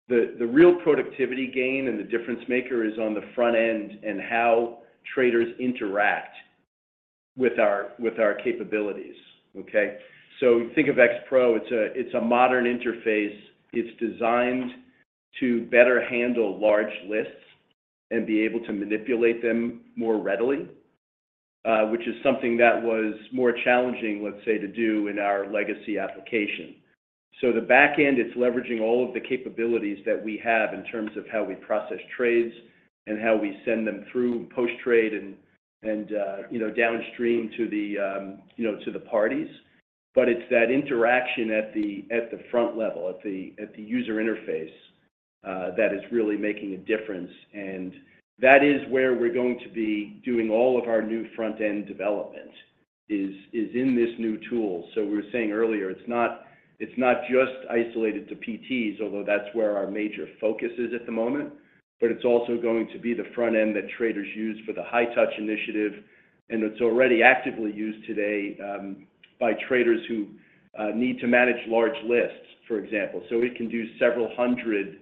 Speaker 4: The real productivity gain and the difference maker is on the front end and how traders interact with our capabilities, okay? So think of X-Pro, it's a modern interface. It's designed to better handle large lists and be able to manipulate them more readily, which is something that was more challenging, let's say, to do in our legacy application. So the back end, it's leveraging all of the capabilities that we have in terms of how we process trades and how we send them through post-trade and, you know, downstream to the parties. But it's that interaction at the front level, at the user interface, that is really making a difference. And that is where we're going to be doing all of our new front-end development, is in this new tool. So we were saying earlier, it's not just isolated to PTs, although that's where our major focus is at the moment, but it's also going to be the front end that traders use for the high touch initiative, and it's already actively used today by traders who need to manage large lists, for example. So we can do several hundred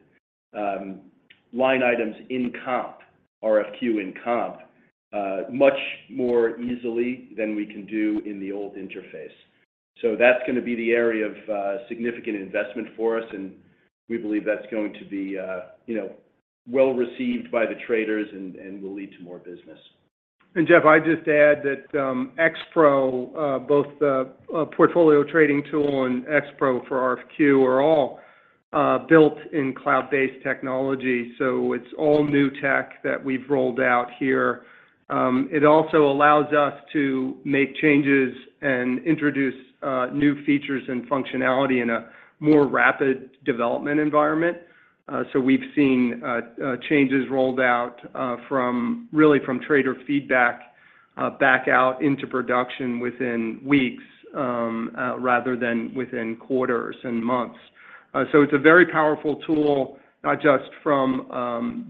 Speaker 4: line items in composite RFQ in composite much more easily than we can do in the old interface. That's gonna be the area of significant investment for us, and we believe that's going to be, you know, well-received by the traders and will lead to more business.
Speaker 3: And Jeff, I'd just add that, X-Pro, both the portfolio trading tool and X-Pro for RFQ are all built in cloud-based technology, so it's all new tech that we've rolled out here. It also allows us to make changes and introduce new features and functionality in a more rapid development environment. So we've seen changes rolled out from really, from trader feedback back out into production within weeks, rather than within quarters and months. So it's a very powerful tool, not just from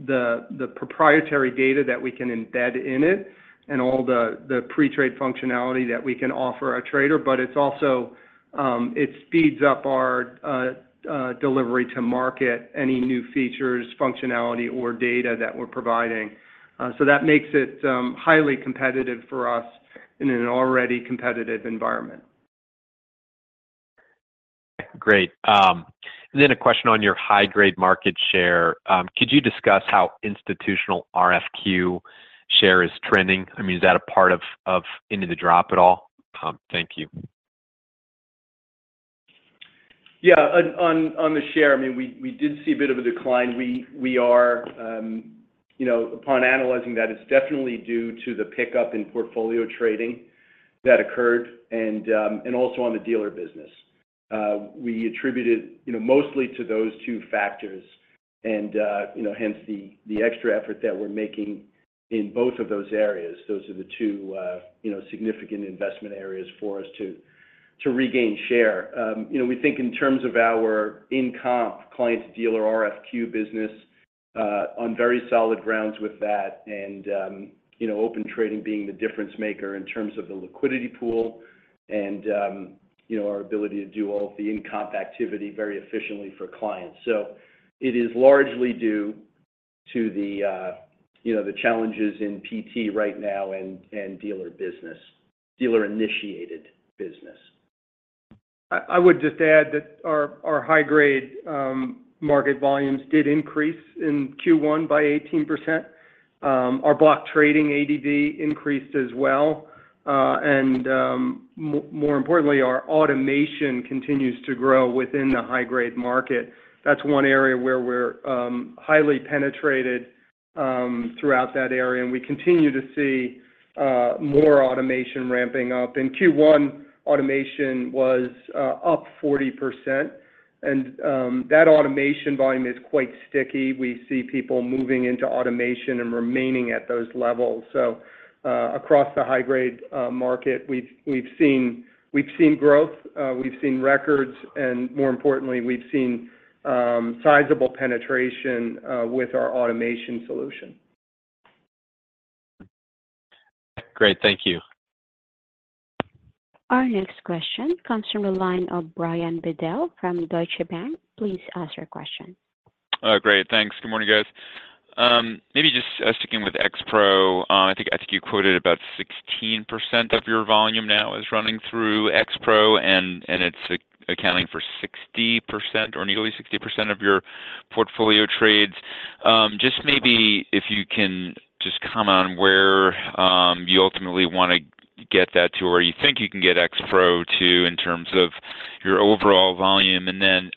Speaker 3: the proprietary data that we can embed in it and all the pre-trade functionality that we can offer our trader, but it's also... it speeds up our delivery to market, any new features, functionality, or data that we're providing. So that makes it highly competitive for us in an already competitive environment.
Speaker 10: Great. Then a question on your high-grade market share. Could you discuss how institutional RFQ share is trending? I mean, is that a part of, of into the drop at all? Thank you.
Speaker 4: Yeah. On the share, I mean, we did see a bit of a decline. We are, you know, upon analyzing that, it's definitely due to the pickup in Portfolio Trading that occurred and also on the dealer business. We attributed, you know, mostly to those two factors and, you know, hence the extra effort that we're making in both of those areas. Those are the two, you know, significant investment areas for us to regain share. You know, we think in terms of our in comp client-to-dealer RFQ business on very solid grounds with that and, you know, Open Trading being the difference maker in terms of the liquidity pool and, you know, our ability to do all of the in-comp activity very efficiently for clients. It is largely due to the, you know, the challenges in PT right now and dealer business, dealer-initiated business.
Speaker 3: I would just add that our high-grade market volumes did increase in Q1 by 18%. Our block trading ADV increased as well. And more importantly, our automation continues to grow within the high-grade market. That's one area where we're highly penetrated... throughout that area, and we continue to see more automation ramping up. In Q1, automation was up 40%, and that automation volume is quite sticky. We see people moving into automation and remaining at those levels. So, across the high-grade market, we've seen growth, we've seen records, and more importantly, we've seen sizable penetration with our automation solution.
Speaker 10: Great. Thank you.
Speaker 1: Our next question comes from the line of Brian Bedell from Deutsche Bank. Please ask your question.
Speaker 11: Great. Thanks. Good morning, guys. Maybe just sticking with X-Pro. I think you quoted about 16% of your volume now is running through X-Pro, and it's accounting for 60% or nearly 60% of your portfolio trades. Just maybe if you can just comment on where you ultimately wanna get that to, or you think you can get X-Pro to in terms of your overall volume. And then,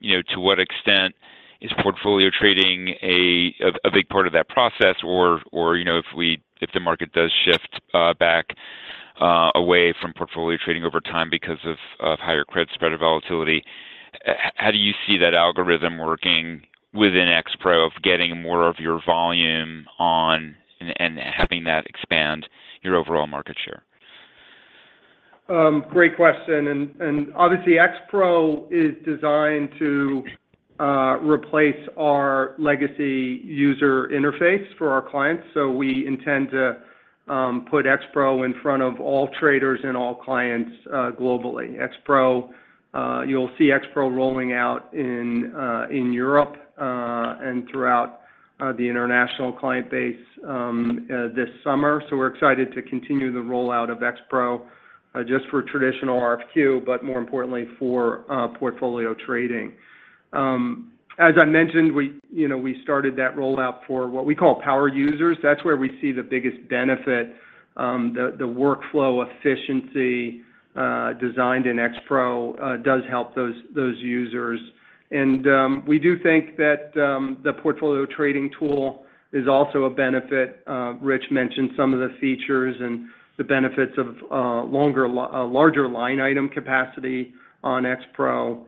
Speaker 11: you know, to what extent is portfolio trading a big part of that process, or, you know, if the market does shift back away from portfolio trading over time because of higher credit spread or volatility, how do you see that algorithm working within X-Pro of getting more of your volume on and having that expand your overall market share?
Speaker 3: Great question, and obviously, X-Pro is designed to replace our legacy user interface for our clients, so we intend to put X-Pro in front of all traders and all clients globally. X-Pro, you'll see X-Pro rolling out in Europe and throughout the international client base this summer. So we're excited to continue the rollout of X-Pro just for traditional RFQ, but more importantly, for portfolio trading. As I mentioned, we, you know, we started that rollout for what we call power users. That's where we see the biggest benefit. The workflow efficiency designed in X-Pro does help those users. And we do think that the portfolio trading tool is also a benefit. Rich mentioned some of the features and the benefits of longer, larger line item capacity on X-Pro.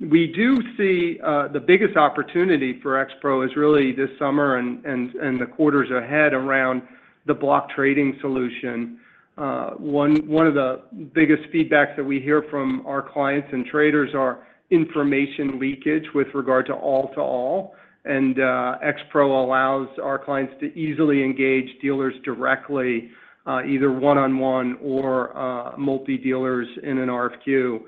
Speaker 3: We do see the biggest opportunity for X-Pro is really this summer and the quarters ahead around the block trading solution. One of the biggest feedbacks that we hear from our clients and traders are information leakage with regard to all-to-all, and X-Pro allows our clients to easily engage dealers directly, either one-on-one or multi-dealers in an RFQ.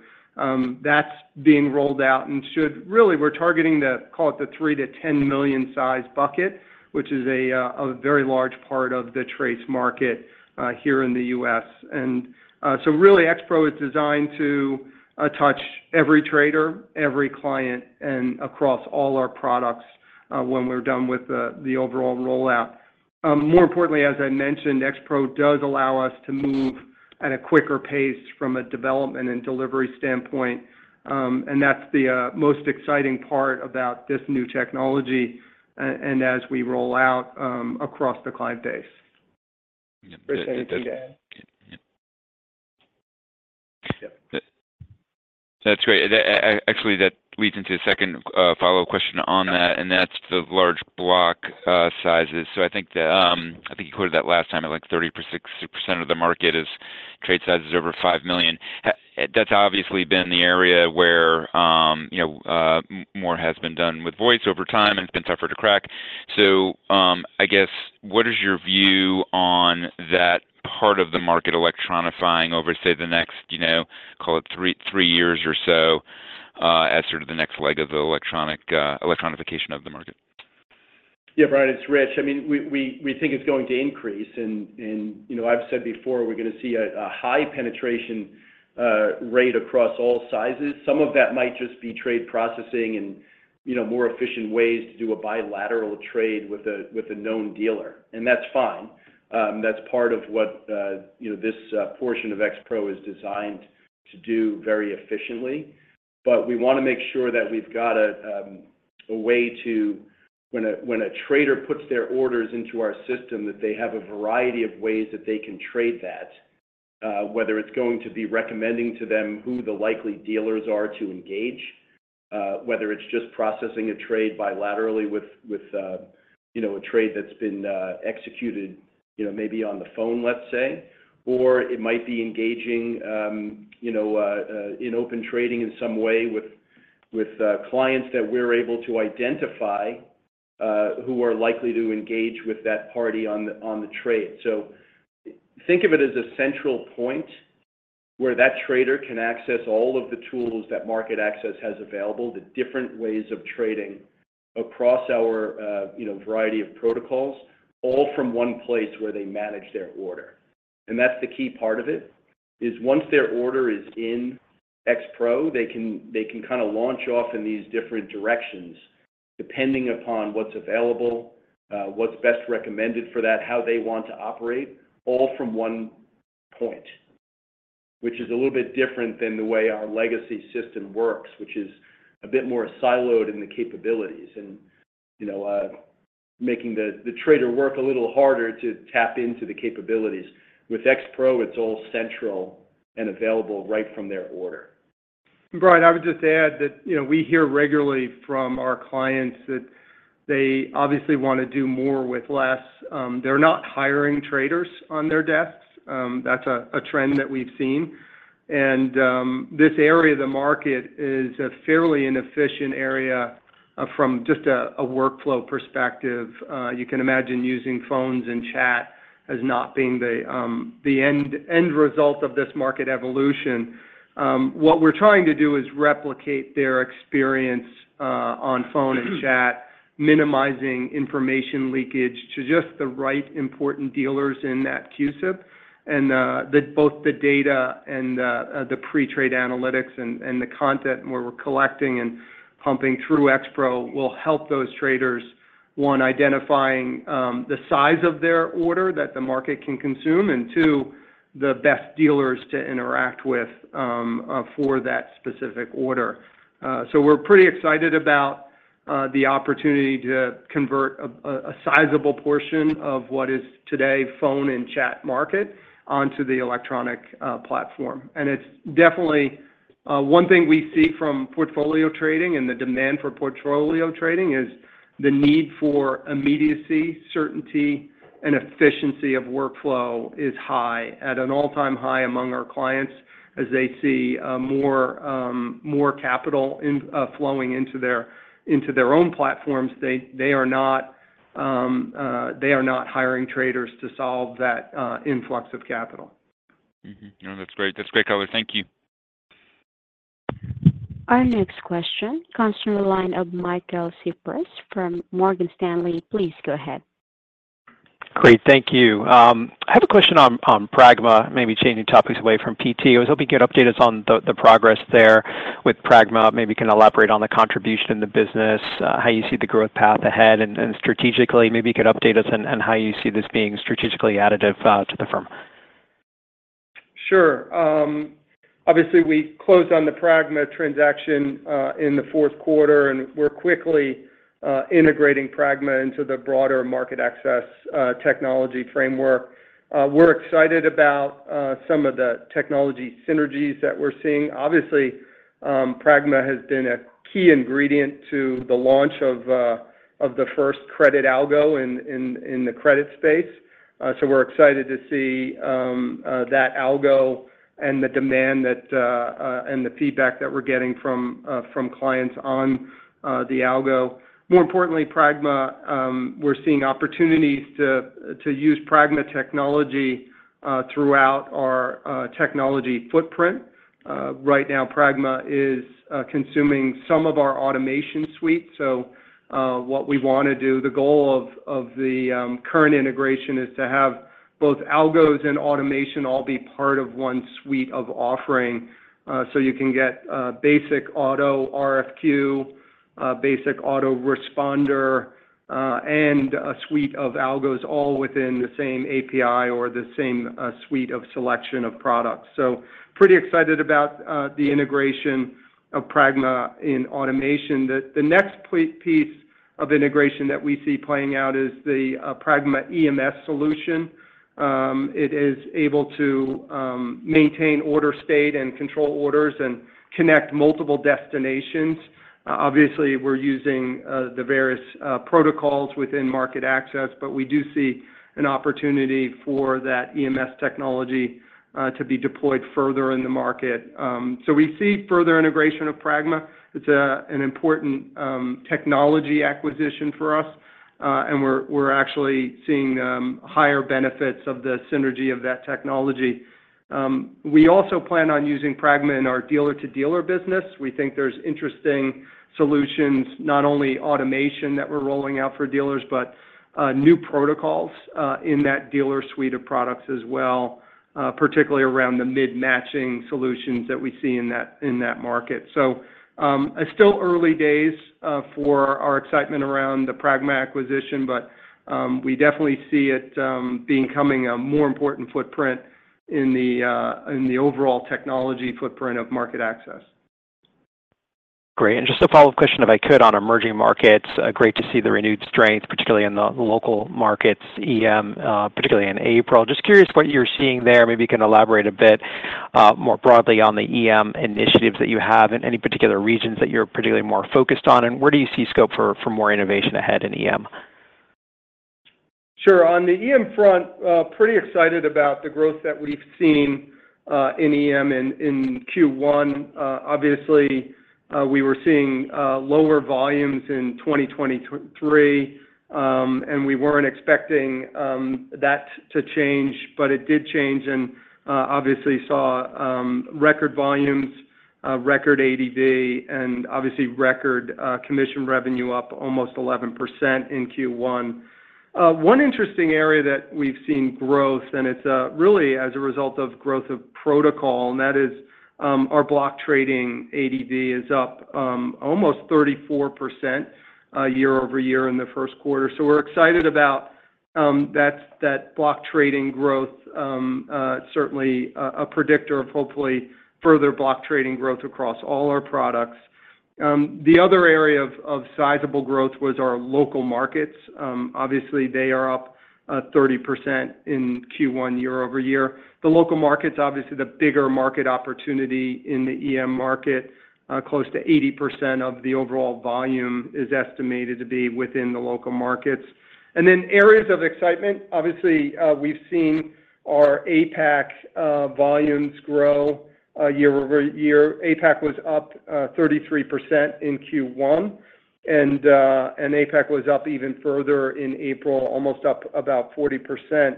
Speaker 3: That's being rolled out and should really. We're targeting, call it the $3 million-$10 million size bucket, which is a very large part of the trades market here in the U.S. So really, X-Pro is designed to touch every trader, every client, and across all our products, when we're done with the overall rollout. More importantly, as I mentioned, X-Pro does allow us to move at a quicker pace from a development and delivery standpoint, and that's the most exciting part about this new technology, and as we roll out across the client base.
Speaker 11: Yeah, that
Speaker 3: Rich, anything to add? Yeah.
Speaker 11: That's great. Actually, that leads into a second follow-up question on that, and that's the large block sizes. So I think you quoted that last time, at like 30%, 6% of the market is trade sizes over $5 million. That's obviously been the area where you know more has been done with voice over time, and it's been tougher to crack. So I guess what is your view on that part of the market electronifying over say the next you know call it three years or so as sort of the next leg of the electronic electronification of the market?
Speaker 4: Yeah, Brian, it's Rich. I mean, we think it's going to increase. And you know, I've said before, we're going to see a high penetration rate across all sizes. Some of that might just be trade processing and, you know, more efficient ways to do a bilateral trade with a known dealer, and that's fine. That's part of what, you know, this portion of X-Pro is designed to do very efficiently. But we want to make sure that we've got a way to... When a trader puts their orders into our system, that they have a variety of ways that they can trade that. Whether it's going to be recommending to them who the likely dealers are to engage, whether it's just processing a trade bilaterally with you know, a trade that's been executed, you know, maybe on the phone, let's say, or it might be engaging, you know, in open trading in some way with clients that we're able to identify, who are likely to engage with that party on the trade. So think of it as a central point where that trader can access all of the tools that MarketAxess has available, the different ways of trading across our, you know, variety of protocols, all from one place where they manage their order. That's the key part of it, is once their order is in X-Pro, they can, they can kind of launch off in these different directions, depending upon what's available, what's best recommended for that, how they want to operate, all from one point.... which is a little bit different than the way our legacy system works, which is a bit more siloed in the capabilities and, you know, making the trader work a little harder to tap into the capabilities. With X-Pro, it's all central and available right from their order.
Speaker 3: And Brian, I would just add that, you know, we hear regularly from our clients that they obviously want to do more with less. They're not hiring traders on their desks. That's a trend that we've seen. And this area of the market is a fairly inefficient area from just a workflow perspective. You can imagine using phones and chat as not being the end result of this market evolution. What we're trying to do is replicate their experience on phone and chat, minimizing information leakage to just the right important dealers in that CUSIP. Both the data and the pre-trade analytics and the content where we're collecting and pumping through X-Pro will help those traders, one, identifying the size of their order that the market can consume, and two, the best dealers to interact with for that specific order. So we're pretty excited about the opportunity to convert a sizable portion of what is today phone and chat market onto the electronic platform. It's definitely one thing we see from portfolio trading and the demand for portfolio trading is the need for immediacy, certainty, and efficiency of workflow is high, at an all-time high among our clients as they see more capital flowing into their own platforms. They are not hiring traders to solve that influx of capital.
Speaker 11: Mm-hmm. No, that's great. That's great, color. Thank you.
Speaker 1: Our next question comes from the line of Michael Cyprys from Morgan Stanley. Please go ahead.
Speaker 12: Great. Thank you. I have a question on Pragma, maybe changing topics away from PT. I was hoping you could update us on the progress there with Pragma. Maybe you can elaborate on the contribution in the business, how you see the growth path ahead, and strategically, maybe you could update us on how you see this being strategically additive to the firm.
Speaker 3: Sure. Obviously, we closed on the Pragma transaction in the fourth quarter, and we're quickly integrating Pragma into the broader MarketAxess technology framework. We're excited about some of the technology synergies that we're seeing. Obviously, Pragma has been a key ingredient to the launch of the first credit algo in the credit space. So we're excited to see that algo and the demand and the feedback that we're getting from clients on the algo. More importantly, Pragma, we're seeing opportunities to use Pragma technology throughout our technology footprint. Right now, Pragma is consuming some of our automation suite. So, what we want to do, the goal of the current integration is to have both algos and automation all be part of one suite of offering. So you can get basic auto RFQ, basic auto responder, and a suite of algos all within the same API or the same suite of selection of products. So pretty excited about the integration of Pragma in automation. The next piece of integration that we see playing out is the Pragma EMS solution. It is able to maintain order state and control orders and connect multiple destinations. Obviously, we're using the various protocols within MarketAxess, but we do see an opportunity for that EMS technology to be deployed further in the market. So we see further integration of Pragma. It's an important technology acquisition for us, and we're actually seeing higher benefits of the synergy of that technology. We also plan on using Pragma in our dealer-to-dealer business. We think there's interesting solutions, not only automation that we're rolling out for dealers, but new protocols in that dealer suite of products as well, particularly around the mid-market matching solutions that we see in that market. So, it's still early days for our excitement around the Pragma acquisition, but we definitely see it becoming a more important footprint in the overall technology footprint of MarketAxess.
Speaker 12: Great. Just a follow-up question, if I could, on Emerging Markets. Great to see the renewed strength, particularly in the local markets, EM, particularly in April. Just curious what you're seeing there. Maybe you can elaborate a bit, more broadly on the EM initiatives that you have and any particular regions that you're particularly more focused on, and where you see scope for more innovation ahead in EM?
Speaker 3: Sure. On the EM front, pretty excited about the growth that we've seen in EM in Q1. Obviously, we were seeing lower volumes in 2023, and we weren't expecting that to change, but it did change, and obviously saw record volumes, record ADV, and obviously record commission revenue up almost 11% in Q1. One interesting area that we've seen growth, and it's really as a result of growth of protocol, and that is, our block trading ADV is up almost 34% year-over-year in the first quarter. So we're excited about that. That's that block trading growth certainly a predictor of hopefully further block trading growth across all our products. The other area of sizable growth was our local markets. Obviously, they are up 30% in Q1 year-over-year. The local markets, obviously, the bigger market opportunity in the EM market, close to 80% of the overall volume is estimated to be within the local markets. And then areas of excitement, obviously, we've seen our APAC volumes grow year-over-year. APAC was up 33% in Q1, and APAC was up even further in April, almost up about 40%.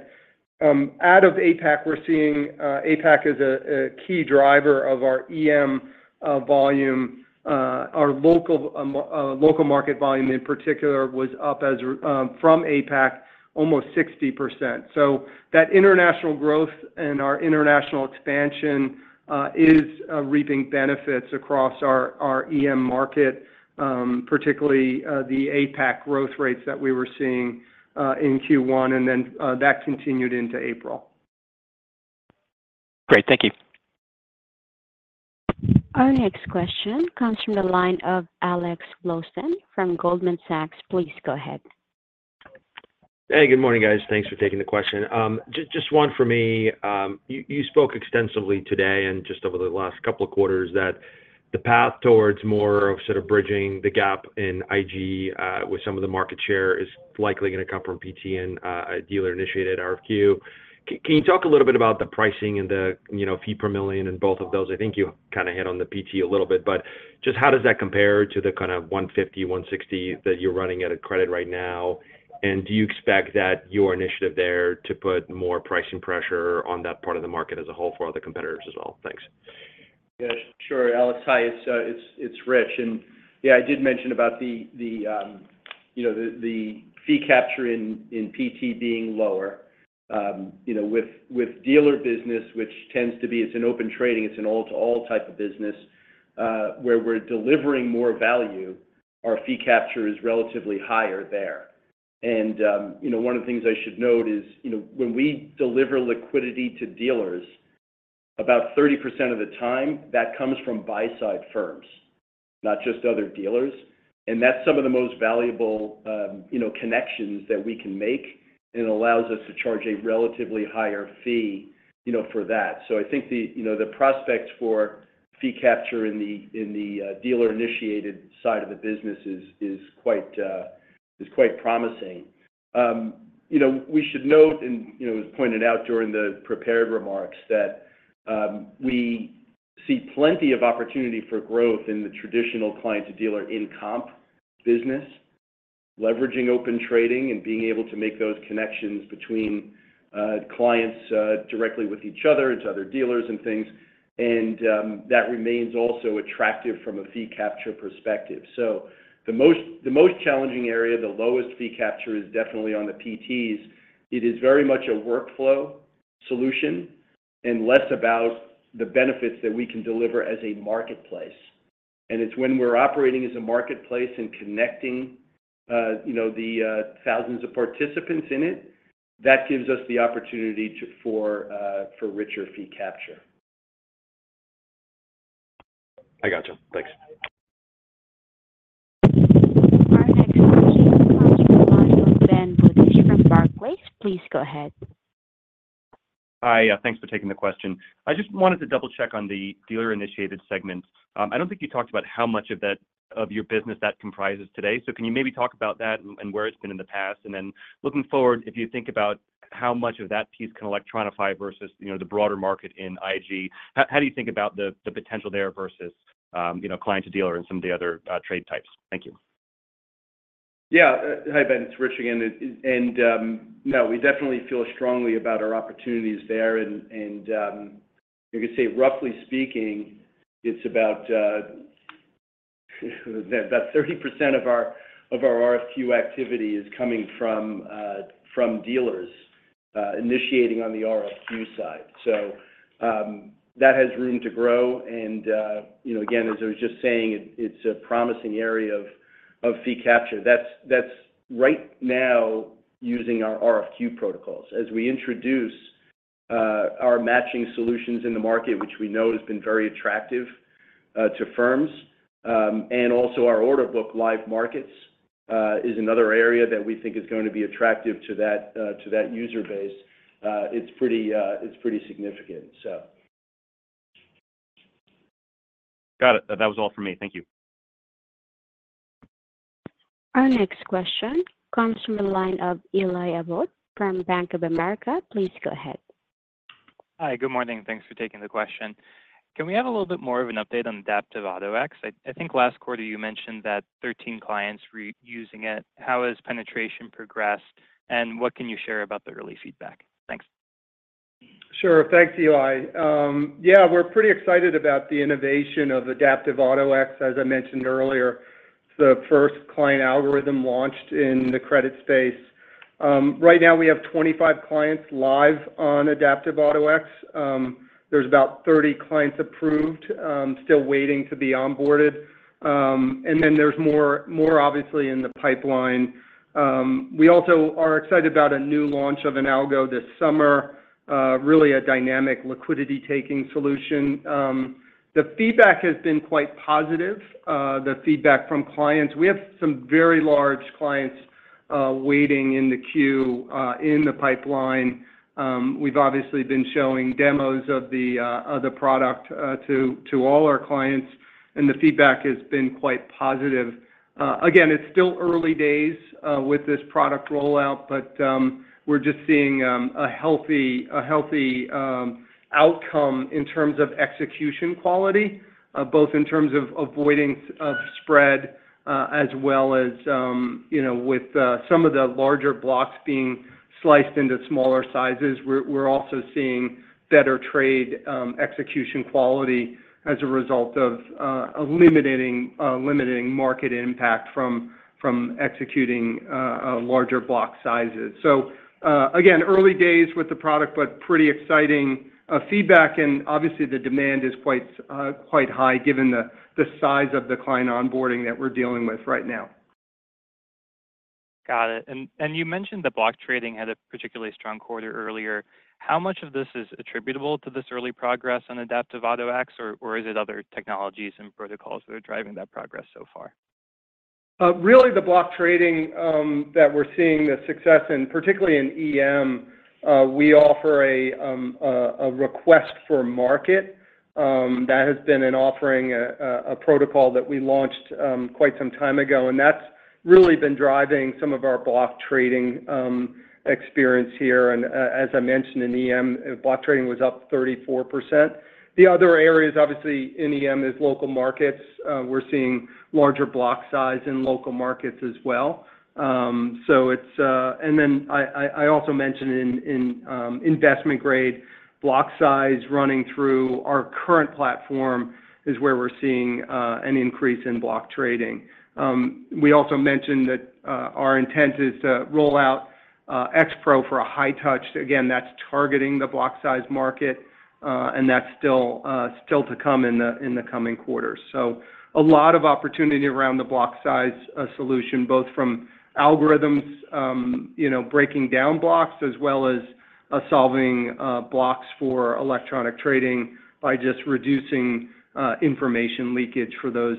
Speaker 3: Out of APAC, we're seeing APAC is a key driver of our EM volume. Our local market volume, in particular, was up as from APAC, almost 60%. So that international growth and our international expansion is reaping benefits across our our EM market, particularly the APAC growth rates that we were seeing in Q1, and then that continued into April.
Speaker 12: Great. Thank you.
Speaker 1: Our next question comes from the line of Alexander Blostein from Goldman Sachs. Please go ahead.
Speaker 13: Hey, good morning, guys. Thanks for taking the question. Just one for me. You spoke extensively today and just over the last couple of quarters that the path towards more of sort of bridging the gap in IG with some of the market share is likely going to come from PT and a dealer-initiated RFQ. Can you talk a little bit about the pricing and the, you know, fee per million in both of those? I think you kind of hit on the PT a little bit, but just how does that compare to the kind of $150, $160 that you're running at a credit right now? And do you expect that your initiative there to put more pricing pressure on that part of the market as a whole for other competitors as well? Thanks.
Speaker 4: Yes, sure, Alex. Hi, it's Rich. And yeah, I did mention about the fee capture in PT being lower. You know, with dealer business, which tends to be... It's an Open Trading, it's an all-to-all type of business, where we're delivering more value, our fee capture is relatively higher there. And, you know, one of the things I should note is, you know, when we deliver liquidity to dealers, about 30% of the time, that comes from buy-side firms, not just other dealers. And that's some of the most valuable, you know, connections that we can make, and allows us to charge a relatively higher fee, you know, for that. So I think the, you know, the prospects for fee capture in the, in the, dealer-initiated side of the business is quite promising. You know, we should note, and, you know, it was pointed out during the prepared remarks, that we see plenty of opportunity for growth in the traditional client-to-deale in comp business, leveraging open trading and being able to make those connections between clients directly with each other and to other dealers and things. And that remains also attractive from a fee capture perspective. So the most challenging area, the lowest fee capture is definitely on the PTs. It is very much a workflow solution and less about the benefits that we can deliver as a marketplace. And it's when we're operating as a marketplace and connecting, you know, the thousands of participants in it, that gives us the opportunity for richer fee capture.
Speaker 13: I gotcha. Thanks.
Speaker 1: Our next question comes from the line of Ben Budish from Barclays. Please go ahead.
Speaker 14: Hi, thanks for taking the question. I just wanted to double-check on the dealer-initiated segment. I don't think you talked about how much of that, of your business that comprises today. So can you maybe talk about that and, and where it's been in the past? And then looking forward, if you think about how much of that piece can electronify versus, you know, the broader market in IG, how, how do you think about the, the potential there versus, you know, client-to-dealer and some of the other, trade types? Thank you.
Speaker 4: Yeah. Hi, Ben, it's Rich again. And, no, we definitely feel strongly about our opportunities there, and, and, you could say, roughly speaking, it's about, about 30% of our of our RFQ activity is coming from, from dealers, initiating on the RFQ side. So, that has room to grow. And, you know, again, as I was just saying, it's a promising area of, of fee capture. That's, that's right now using our RFQ protocols. As we introduce, our matching solutions in the market, which we know has been very attractive, to firms, and also our order book, Live Markets, is another area that we think is going to be attractive to that, to that user base. It's pretty, it's pretty significant, so...
Speaker 14: Got it. That was all for me. Thank you.
Speaker 1: Our next question comes from the line of Eli Abboud from Bank of America. Please go ahead.
Speaker 15: Hi, good morning, and thanks for taking the question. Can we have a little bit more of an update on Adaptive Auto-X? I think last quarter you mentioned that 13 clients were using it. How has penetration progressed, and what can you share about the early feedback? Thanks.
Speaker 3: Sure. Thanks, Eli. Yeah, we're pretty excited about the innovation of Adaptive Auto-X. As I mentioned earlier, the first client algorithm launched in the credit space. Right now, we have 25 clients live on Adaptive Auto-X. There's about 30 clients approved, still waiting to be onboarded. And then there's more, more obviously in the pipeline. We also are excited about a new launch of an algo this summer, really a dynamic liquidity-taking solution. The feedback has been quite positive, the feedback from clients. We have some very large clients, waiting in the queue, in the pipeline. We've obviously been showing demos of the product to all our clients, and the feedback has been quite positive. Again, it's still early days with this product rollout, but we're just seeing a healthy outcome in terms of execution quality, both in terms of avoiding spread, as well as, you know, with some of the larger blocks being sliced into smaller sizes. We're also seeing better trade execution quality as a result of eliminating, limiting market impact from executing larger block sizes. So, again, early days with the product, but pretty exciting feedback, and obviously, the demand is quite high, given the size of the client onboarding that we're dealing with right now.
Speaker 15: Got it. And you mentioned the block trading had a particularly strong quarter earlier. How much of this is attributable to this early progress on Adaptive Auto-X, or is it other technologies and protocols that are driving that progress so far?
Speaker 3: Really, the block trading that we're seeing the success in, particularly in EM, we offer a Request for Market. That has been an offering, a protocol that we launched quite some time ago, and that's really been driving some of our block trading experience here. And as I mentioned, in EM, block trading was up 34%. The other areas, obviously, in EM, is local markets. We're seeing larger block size in local markets as well. And then I also mentioned in investment-grade, block size running through our current platform is where we're seeing an increase in block trading. We also mentioned that our intent is to roll out X-Pro for high touch. Again, that's targeting the block size market, and that's still to come in the coming quarters. So a lot of opportunity around the block size solution, both from algorithms, you know, breaking down blocks, as well as solving blocks for electronic trading by just reducing information leakage for those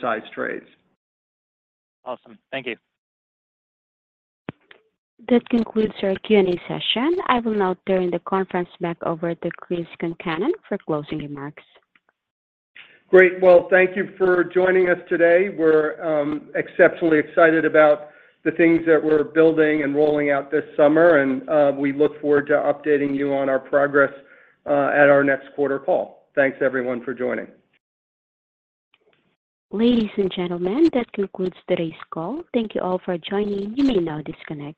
Speaker 3: size trades.
Speaker 15: Awesome. Thank you.
Speaker 1: That concludes our Q&A session. I will now turn the conference back over to Chris Concannon for closing remarks.
Speaker 3: Great. Well, thank you for joining us today. We're exceptionally excited about the things that we're building and rolling out this summer, and we look forward to updating you on our progress at our next quarter call. Thanks, everyone, for joining.
Speaker 1: Ladies and gentlemen, that concludes today's call. Thank you all for joining. You may now disconnect.